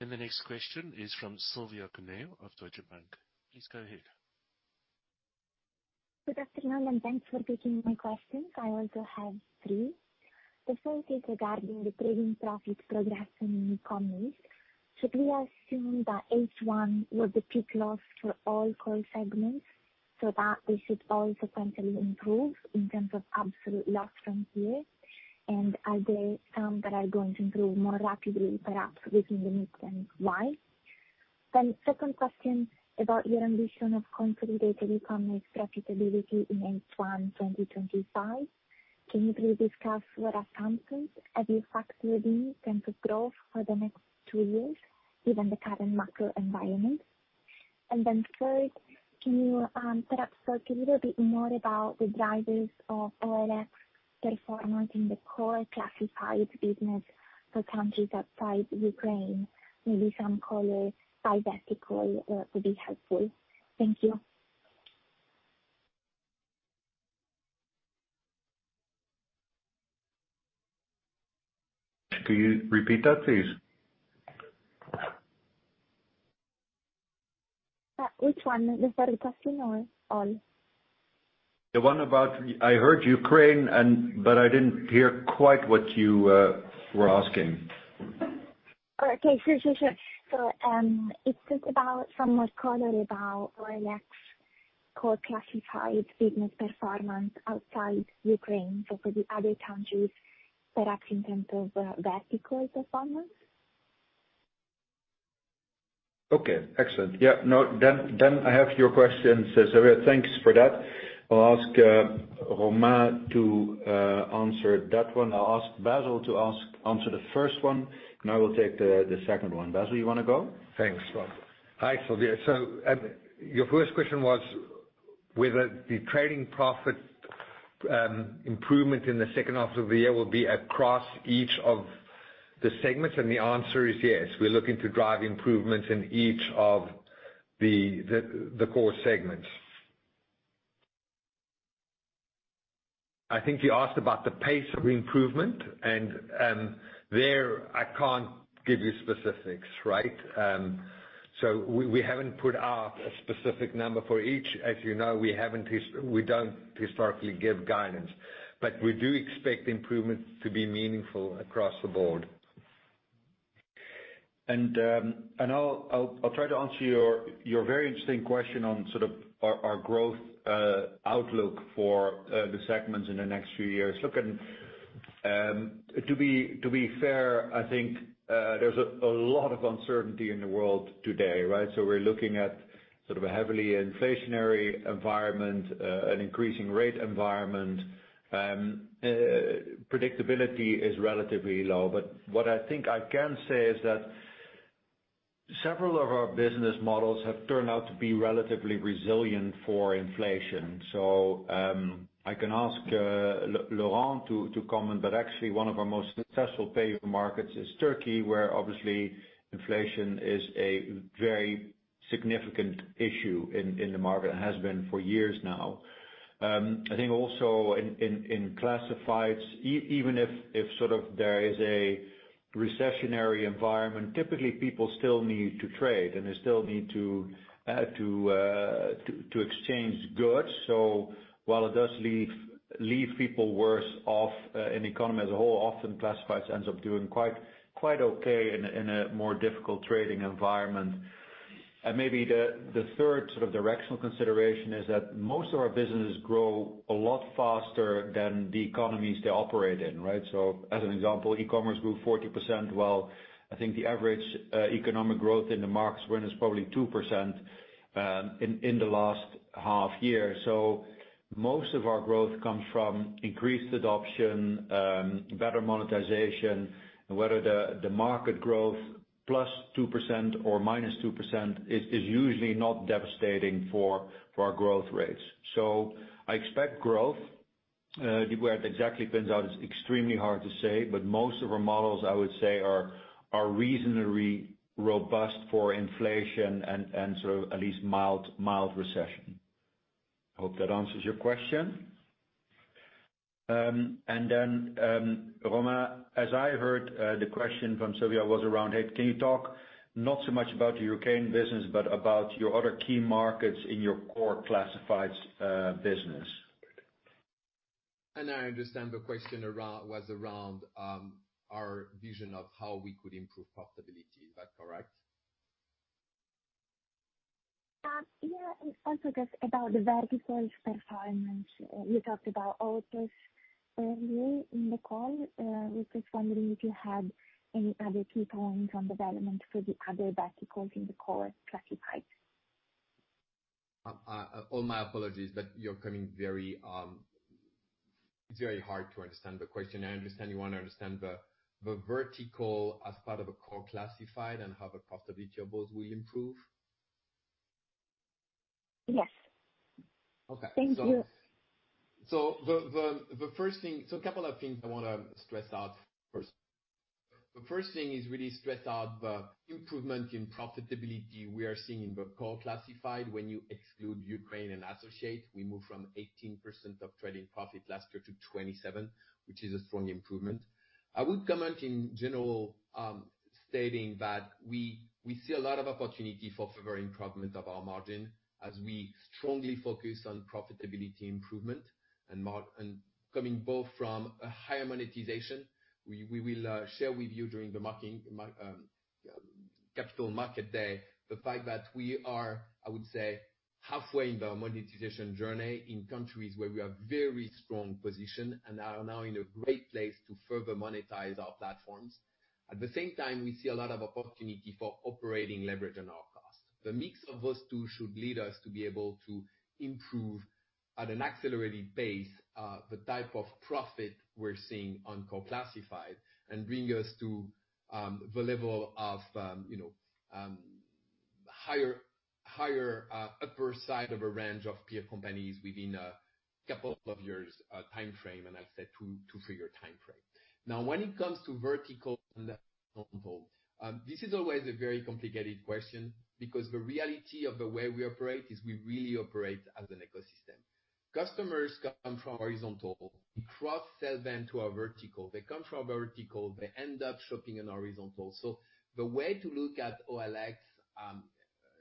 S1: The next question is from Silvia Cuneo of Deutsche Bank. Please go ahead.
S8: Good afternoon. Thanks for taking my questions. I also have three. The first is regarding the trading profit progress in e-commerce. Should we assume that H1 was the peak loss for all core segments so that they should all sequentially improve in terms of absolute loss from here? Are there some that are going to improve more rapidly, perhaps within the mix and why? Second question about your ambition of consolidated e-commerce profitability in H1 2025. Can you please discuss what are counted as you factor in terms of growth for the next two years, given the current macro environment? Third, can you perhaps talk a little bit more about the drivers of OLX performance in the core classified business for countries outside Ukraine? Maybe some color by vertical would be helpful. Thank you.
S2: Can you repeat that, please?
S8: Which one? The third question or all?
S2: I heard Ukraine and, but I didn't hear quite what you were asking.
S8: Okay. Sure. It's just about some more color about OLX core classified business performance outside Ukraine. For the other countries, perhaps in terms of vertical performance.
S2: Okay. Excellent. Yeah. No, I have your questions, Silvia. Thanks for that. I'll ask Romain to answer that one. I'll ask Basil to answer the first one, I will take the second one. Basil, you wanna go?
S3: Thanks, Rob. Hi, Silvia. Your first question was whether the trading profit improvement in the second half of the year will be across each of the segments, and the answer is yes. We're looking to drive improvements in each of the core segments. I think you asked about the pace of improvement and there I can't give you specifics, right? We haven't put out a specific number for each. As you know, we don't historically give guidance. We do expect improvements to be meaningful across the board.
S2: I'll try to answer your very interesting question on sort of our growth outlook for the segments in the next few years. Look, to be fair, I think there's a lot of uncertainty in the world today, right? We're looking at sort of a heavily inflationary environment, an increasing rate environment. Predictability is relatively low. What I think I can say is that several of our business models have turned out to be relatively resilient for inflation. I can ask Laurent to comment, but actually one of our most successful pay markets is Turkey, where obviously inflation is a very significant issue in the market, has been for years now. I think also in classifieds even if there is a recessionary environment, typically people still need to trade and they still need to exchange goods. While it does leave people worse off in the economy as a whole, often classifieds ends up doing quite okay in a more difficult trading environment. Maybe the third sort of directional consideration is that most of our businesses grow a lot faster than the economies they operate in, right? As an example, e-commerce grew 40%, while I think the average economic growth in the markets when it's probably 2% in the last half year. Most of our growth comes from increased adoption, better monetization. Whether the market growth plus 2% or minus 2% is usually not devastating for our growth rates. I expect growth. Where it exactly pans out is extremely hard to say, but most of our models, I would say, are reasonably robust for inflation and sort of at least mild recession. Hope that answers your question. Then, Romain, as I heard, the question from Silvia was around, hey, can you talk not so much about the Ukraine business, but about your other key markets in your core classifieds business.
S7: I understand the question was around our vision of how we could improve profitability. Is that correct?
S8: Yeah. It's also just about the verticals' performance. You talked about autos earlier in the call. We're just wondering if you had any other key points on development for the other verticals in the core classifieds.
S7: All my apologies, but you're coming very. It's very hard to understand the question. I understand you wanna understand the vertical as part of a core classified and how the profitability of both will improve.
S8: Yes.
S7: Okay.
S8: Thank you.
S7: A couple of things I wanna stress out first. The first thing is really stress out the improvement in profitability we are seeing in the core classified. When you exclude Ukraine and associate, we move from 18% of trading profit last year to 27%, which is a strong improvement. I would comment in general, stating that we see a lot of opportunity for favoring improvement of our margin as we strongly focus on profitability improvement and coming both from a higher monetization. We will share with you during the marking Capital Markets Day, the fact that we are, I would say, halfway in the monetization journey in countries where we are very strong position and are now in a great place to further monetize our platforms. At the same time, we see a lot of opportunity for operating leverage on our cost. The mix of those two should lead us to be able to improve, at an accelerated pace, the type of profit we're seeing on core classified and bring us to the level of, you know, higher upper side of a range of peer companies within a couple of years, timeframe, and I've said 2-figure timeframe. Now, when it comes to vertical and horizontal, this is always a very complicated question because the reality of the way we operate is we really operate as an ecosystem. Customers come from horizontal, we cross-sell them to our vertical. They come from our vertical, they end up shopping on horizontal. The way to look at OLX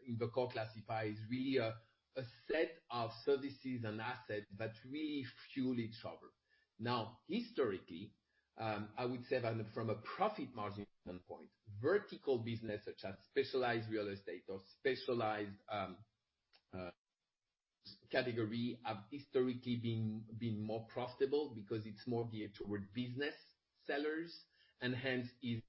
S7: in the core classified is really a set of services and assets that we fully travel. Historically, I would say that from a profit margin standpoint, vertical business such as specialized real estate or specialized category have historically been more profitable because it's more geared toward business sellers and hence is,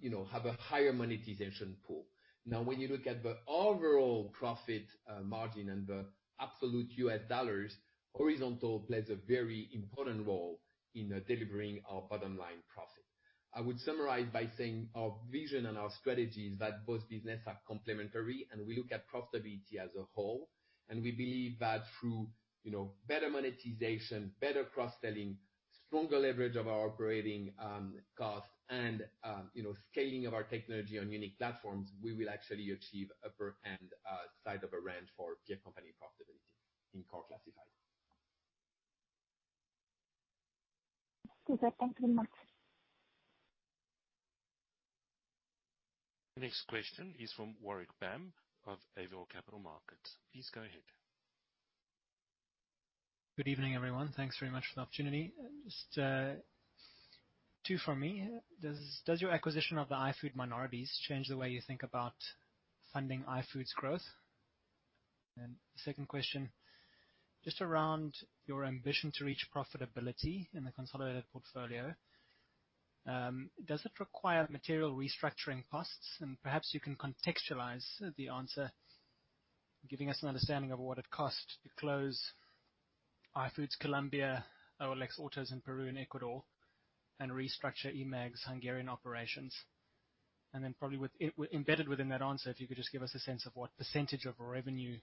S7: you know, have a higher monetization pool. When you look at the overall profit margin and the absolute US dollars, horizontal plays a very important role in delivering our bottom line profit. I would summarize by saying our vision and our strategy is that both business are complementary, and we look at profitability as a whole. We believe that through, you know, better monetization, better cross-selling, stronger leverage of our operating costs, and, you know, scaling of our technology on unique platforms, we will actually achieve upper end side of a range for peer company profitability in core classifieds.
S8: Super. Thank you very much.
S1: The next question is from Warwick Bam of Avior Capital Markets. Please go ahead.
S9: Good evening, everyone. Thanks very much for the opportunity. Just two from me. Does your acquisition of the iFood minorities change the way you think about funding iFood's growth? Second question, just around your ambition to reach profitability in the consolidated portfolio, does it require material restructuring costs? Perhaps you can contextualize the answer, giving us an understanding of what it cost to close iFood Colombia, OLX Autos in Peru and Ecuador, and restructure eMAG's Hungarian operations. Then probably embedded within that answer, if you could just give us a sense of what % of revenue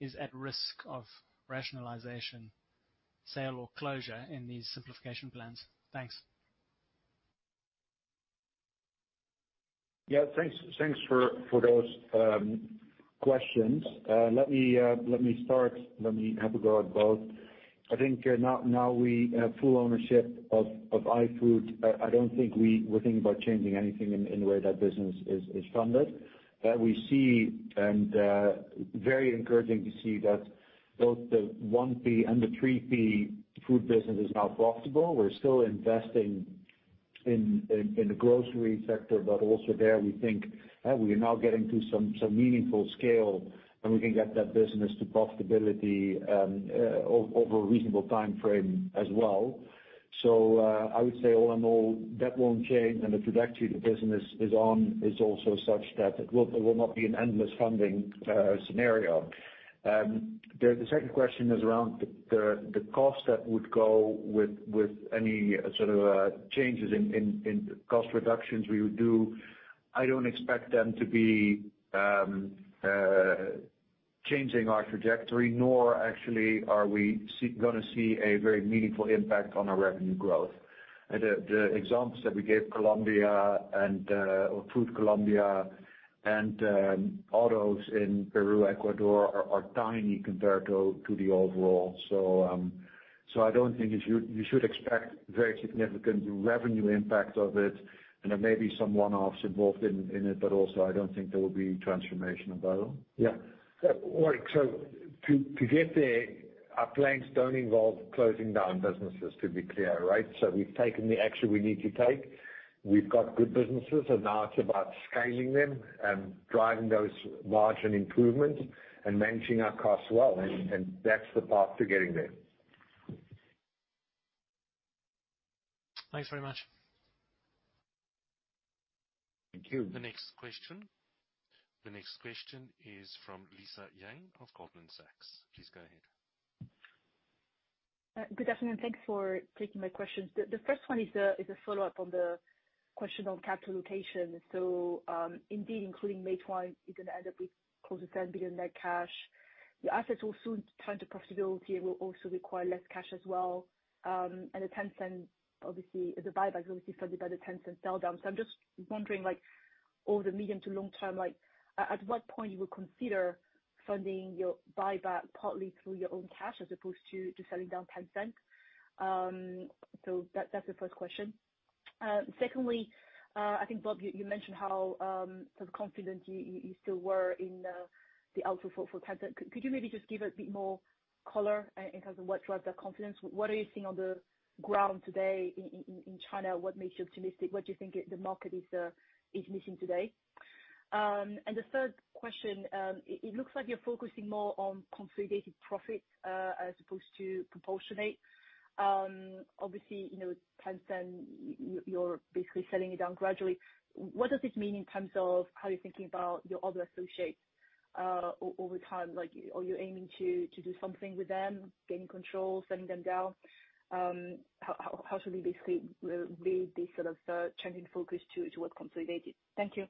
S9: is at risk of rationalization, sale or closure in these simplification plans. Thanks.
S2: Yeah, thanks for those questions. Let me start. Let me have a go at both. I think, now we have full ownership of iFood. I don't think we were thinking about changing anything in the way that business is funded. We see, and very encouraging to see that both the 1P and the 3P food business is now profitable. We're still investing in the grocery sector, but also there, we think, we are now getting to some meaningful scale, and we can get that business to profitability over a reasonable timeframe as well. I would say all in all, that won't change. The trajectory the business is on is also such that it will not be an endless funding scenario. The second question is around the cost that would go with any sort of changes in cost reductions we would do. I don't expect them to be changing our trajectory, nor actually are we gonna see a very meaningful impact on our revenue growth. The examples that we gave Colombia or iFood Colombia and Autos in Peru, Ecuador are tiny compared to the overall. I don't think you should expect very significant revenue impact of it. There may be some one-offs involved in it, but also I don't think there will be transformational value.
S3: Yeah. So to get there, our plans don't involve closing down businesses to be clear, right? We've taken the action we need to take. We've got good businesses, and now it's about scaling them and driving those margin improvements and managing our costs well, and that's the path to getting there.
S9: Thanks very much.
S2: Thank you.
S1: The next question is from Lisa Yang of Goldman Sachs. Please go ahead.
S5: Good afternoon. Thanks for taking my questions. The first one is a follow-up on the question on capital allocation. Indeed, including Meituan, you're gonna end up with close to $10 billion net cash. Your assets will soon turn to profitability and will also require less cash as well. The Tencent, obviously, the buyback is obviously funded by the Tencent sell down. I'm just wondering, like, over the medium to long term, at what point you would consider funding your buyback partly through your own cash as opposed to selling down Tencent. That's the first question. Secondly, I think, Bob, you mentioned how confident you still were in the outlook for Tencent. Could you maybe just give a bit more color in terms of what drives that confidence? What are you seeing on the ground today in China? What makes you optimistic? What do you think it, the market is missing today? The third question, it looks like you're focusing more on consolidated profits as opposed to proportionate. Obviously, you know, Tencent, you're basically selling it down gradually. What does this mean in terms of how you're thinking about your other associates over time? Like, are you aiming to do something with them, gain control, selling them down? How should we basically read this sort of changing focus to what consolidated? Thank you.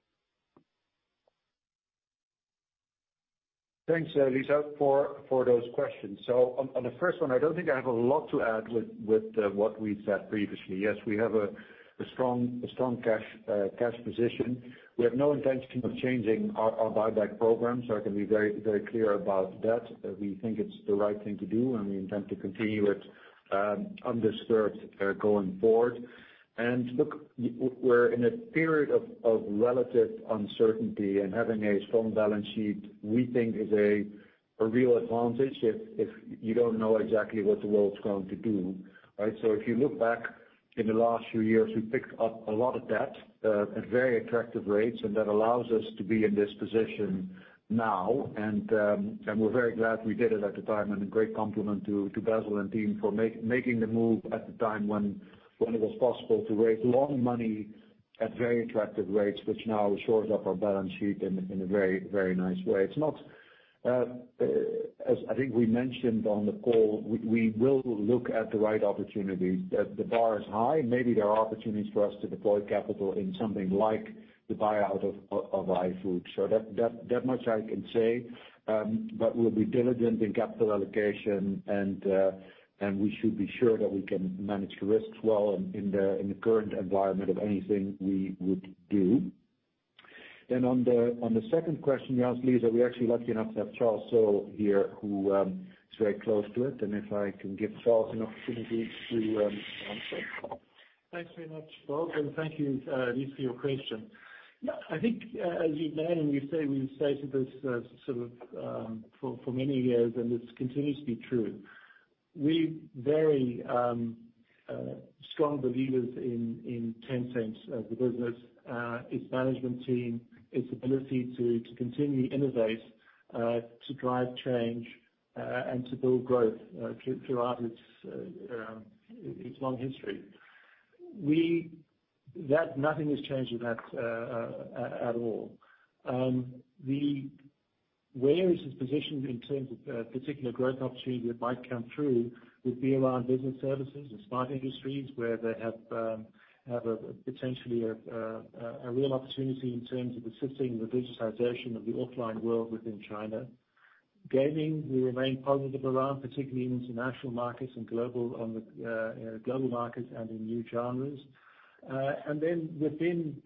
S2: Thanks, Lisa, for those questions. On the first one, I don't think I have a lot to add with what we said previously. Yes, we have a strong cash position. We have no intention of changing our buyback program, so I can be very clear about that. We think it's the right thing to do, and we intend to continue it undisturbed going forward. Look, we're in a period of relative uncertainty, and having a strong balance sheet, we think is a real advantage if you don't know exactly what the world's going to do, right? If you look back in the last few years, we picked up a lot of debt at very attractive rates, and that allows us to be in this position now. We're very glad we did it at the time, and a great compliment to Basil and team for making the move at the time when it was possible to raise a lot of money at very attractive rates, which now shores up our balance sheet in a very, very nice way. It's not, as I think we mentioned on the call, we will look at the right opportunity. The bar is high. Maybe there are opportunities for us to deploy capital in something like the buyout of iFood. That much I can say. We'll be diligent in capital allocation, and we should be sure that we can manage risks well in the current environment of anything we would do. On the, on the second question you asked, Lisa, we're actually lucky enough to have Charles Searle here, who is very close to it. If I can give Charles an opportunity to answer.
S10: Thanks very much, Bob, and thank you, Lisa, for your question. I think, as you know, and you say we've stated this, sort of, for many years, and this continues to be true. We're very strong believers in Tencent as a business, its management team, its ability to continually innovate, to drive change, and to build growth throughout its long history. That nothing has changed with that at all. The, where is this positioned in terms of particular growth opportunity that might come through would be around business services and smart industries, where they have a, potentially a real opportunity in terms of assisting the digitization of the offline world within China. Gaming, we remain positive around, particularly in international markets and global on the global markets and in new genres. Within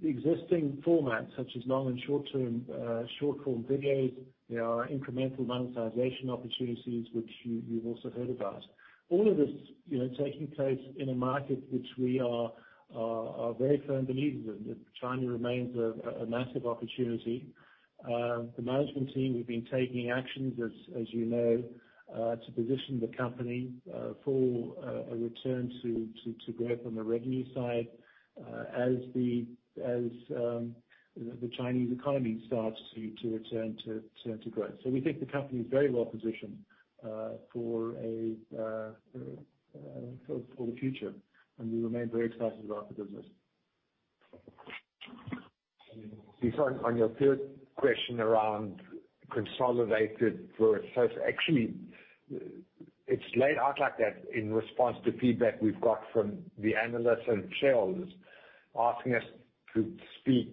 S10: the existing formats, such as long and short-term, short-form videos, there are incremental monetization opportunities which you've also heard about. All of this, you know, taking place in a market which we are very firm believers in, that China remains a massive opportunity. The management team, we've been taking actions as you know, to position the company for a return to growth on the revenue side, as the Chinese economy starts to return to growth. We think the company is very well positioned for a for the future, and we remain very excited about the business.
S2: Lisa, on your third question around consolidated versus actually, it's laid out like that in response to feedback we've got from the analysts and shareholders asking us to speak,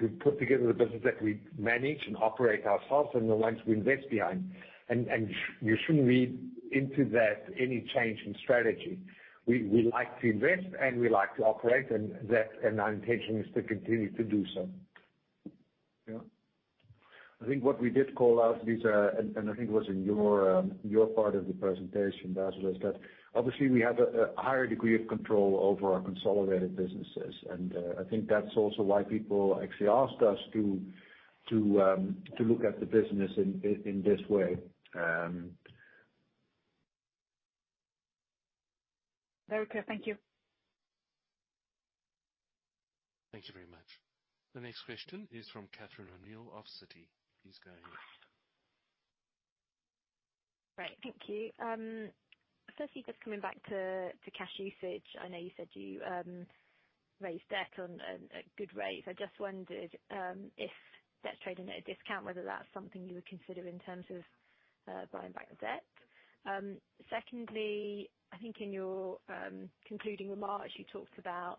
S2: to put together the business that we manage and operate ourselves and the ones we invest behind. You shouldn't read into that any change in strategy. We like to invest, and we like to operate, and our intention is to continue to do so.
S10: Yeah.
S2: I think what we did call out, Lisa, and I think it was in your part of the presentation, Basil, is that obviously we have a higher degree of control over our consolidated businesses. I think that's also why people actually asked us to look at the business in this way.
S5: Very clear. Thank you.
S1: Thank you very much. The next question is from Catherine O'Neill of Citi. Please go ahead.
S11: Right. Thank you. Firstly, just coming back to cash usage. I know you said you raised debt on a good rate. I just wondered if debt trading at a discount, whether that's something you would consider in terms of buying back the debt. Secondly, I think in your concluding remarks, you talked about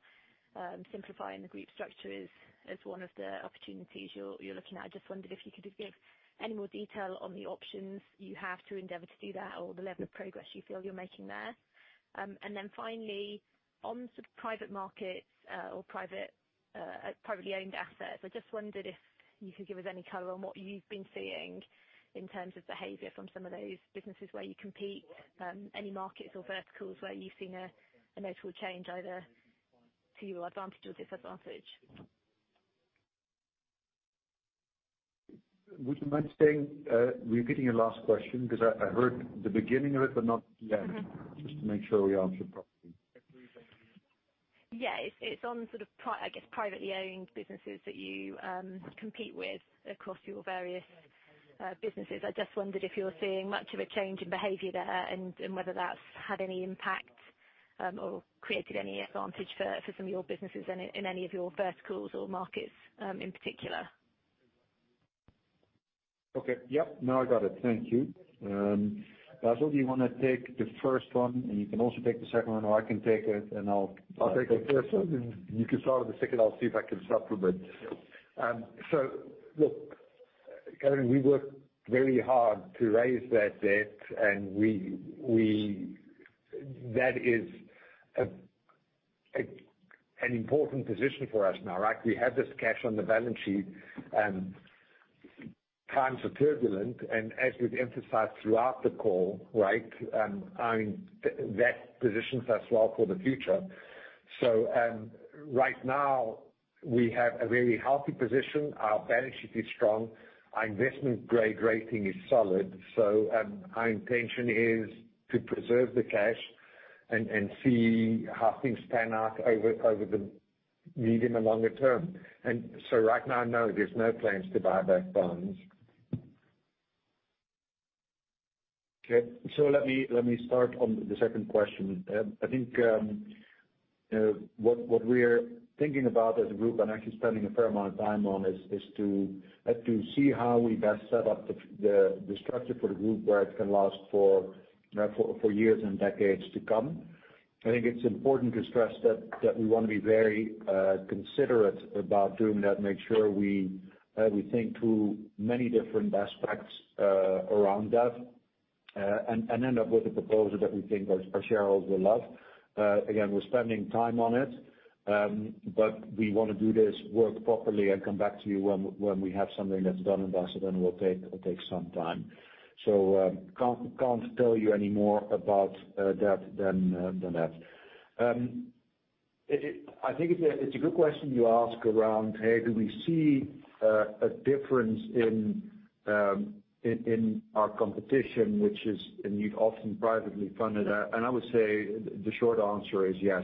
S11: simplifying the group structure is, as one of the opportunities you're looking at. I just wondered if you could give any more detail on the options you have to endeavor to do that or the level of progress you feel you're making there. Finally, on sort of private markets, or private, privately owned assets, I just wondered if you could give us any color on what you've been seeing in terms of behavior from some of those businesses where you compete, any markets or verticals where you've seen a notable change either to your advantage or disadvantage.
S2: Would you mind saying, repeating your last question? Because I heard the beginning of it, but not the end. Just to make sure we answer properly.
S11: It's on sort of privately owned businesses that you compete with across your various businesses. I just wondered if you're seeing much of a change in behavior there and whether that's had any impact or created any advantage for some of your businesses in any of your verticals or markets in particular.
S2: Okay. Yep. Now I got it. Thank you. Basil, do you wanna take the first one, and you can also take the second one, or I can take it.
S3: I'll take the first one, and you can start on the second. I'll see if I can supplement.
S2: Sure.
S3: Look, Catherine, we worked very hard to raise that debt, and we... That is an important position for us now, right. We have this cash on the balance sheet, and times are turbulent. As we've emphasized throughout the call, right, that positions us well for the future. Right now we have a very healthy position. Our balance sheet is strong. Our investment grade rating is solid. Our intention is to preserve the cash and see how things pan out over the medium and longer term. Right now, no, there's no plans to buy back bonds.
S2: Okay. Let me start on the second question. I think, what we're thinking about as a group and actually spending a fair amount of time on is to see how we best set up the structure for the group where it can last for, you know, for years and decades to come. I think it's important to stress that we wanna be very considerate about doing that, make sure we think through many different aspects around that, and end up with a proposal that we think our shareholders will love. Again, we're spending time on it, but we wanna do this work properly and come back to you when we have something that's done and dusted, and it will take some time. Can't tell you any more about that than that. I think it's a good question you ask around, hey, do we see a difference in our competition, which is, and you've often privately funded. I would say the short answer is yes.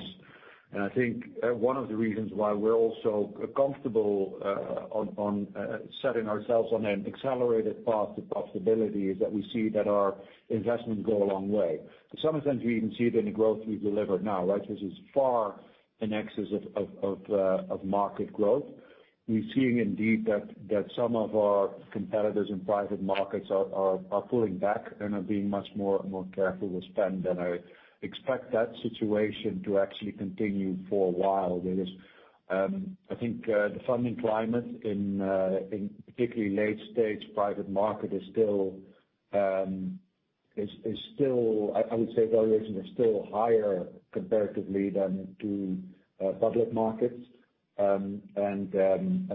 S2: I think one of the reasons why we're also comfortable on setting ourselves on an accelerated path to profitability is that we see that our investments go a long way. To some extent, we even see it in the growth we've delivered now, right? This is far in excess of market growth. We're seeing indeed that some of our competitors in private markets are pulling back and are being much more careful with spend than I expect that situation to actually continue for a while. There is, I think, the funding climate in particularly late stage private market is still. I would say valuations are still higher comparatively than to public markets. I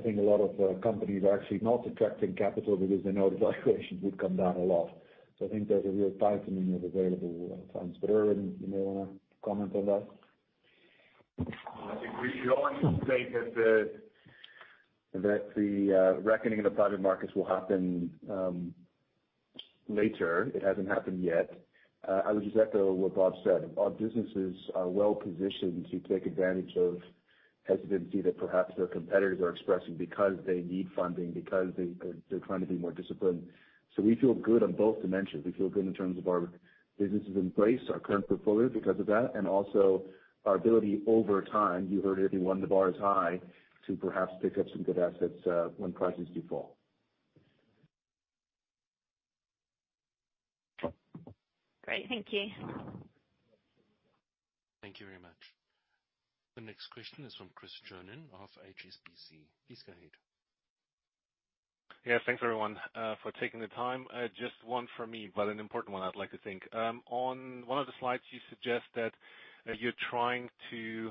S2: think a lot of companies are actually not attracting capital because they know the valuation would come down a lot. I think there's a real tightening of available funds. Ervin, you may wanna comment on that.
S12: I think we should only state that the reckoning in the private markets will happen later. It hasn't happened yet. I would just echo what Bob said. Our businesses are well-positioned to take advantage of hesitancy that perhaps their competitors are expressing because they need funding, because they're trying to be more disciplined. We feel good on both dimensions. We feel good in terms of our businesses embrace our current portfolio because of that, and also our ability over time, you heard Ervin, the bar is high, to perhaps pick up some good assets when prices do fall.
S3: Great. Thank you.
S1: Thank you very much. The next question is from Chris Johnen of HSBC. Please go ahead.
S13: Yeah. Thanks, everyone, for taking the time. Just one for me, but an important one I'd like to think. On one of the slides, you suggest that you're trying to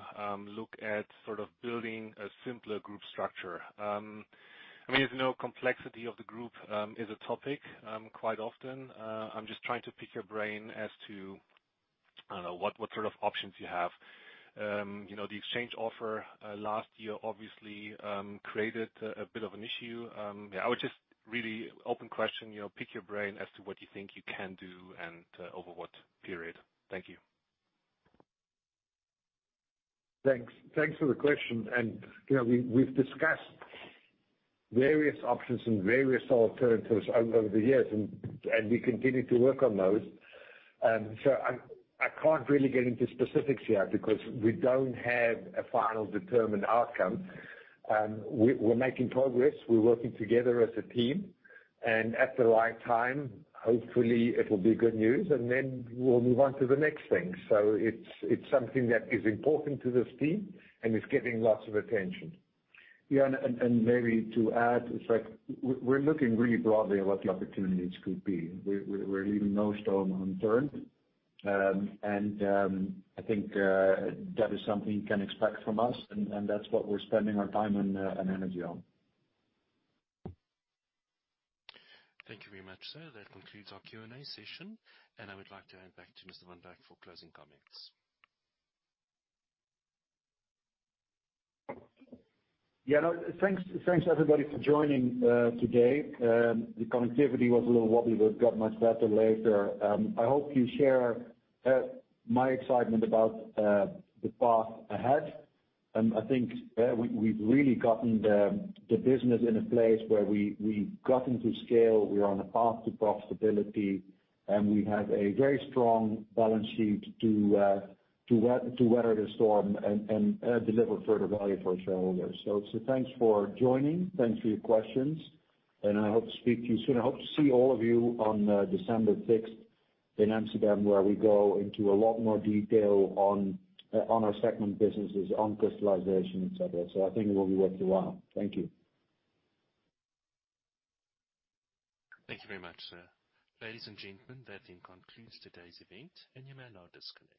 S13: look at sort of building a simpler group structure. I mean, as you know, complexity of the group is a topic quite often. I'm just trying to pick your brain as to, I don't know, what sort of options you have? You know, the exchange offer last year obviously created a bit of an issue. Yeah, I would just really open question, you know, pick your brain as to what you think you can do and over what period? Thank you.
S2: Thanks. Thanks for the question. You know, we've discussed various options and various alternatives over the years and we continue to work on those. I can't really get into specifics yet because we don't have a final determined outcome. We're making progress. We're working together as a team, and at the right time, hopefully it'll be good news, and then we'll move on to the next thing. It's something that is important to this team, and it's getting lots of attention.
S3: Yeah, maybe to add, it's like we're looking really broadly at what the opportunities could be. We're leaving no stone unturned. I think, that is something you can expect from us, and that's what we're spending our time and energy on.
S1: Thank you very much, sir. That concludes our Q&A session, and I would like to hand back to Mr. Van Dijk for closing comments.
S2: Yeah. No, thanks, everybody for joining today. The connectivity was a little wobbly, but it got much better later. I hope you share my excitement about the path ahead. I think we've really gotten the business in a place where we've gotten to scale. We're on a path to profitability, and we have a very strong balance sheet to weather the storm and deliver further value for our shareholders. Thanks for joining. Thanks for your questions, and I hope to speak to you soon. I hope to see all of you on December 6 in Amsterdam, where we go into a lot more detail on our segment businesses, on crystallization, et cetera. I think it will be worth your while. Thank you.
S1: Thank you very much, sir. Ladies and gentlemen, that then concludes today's event, and you may now disconnect.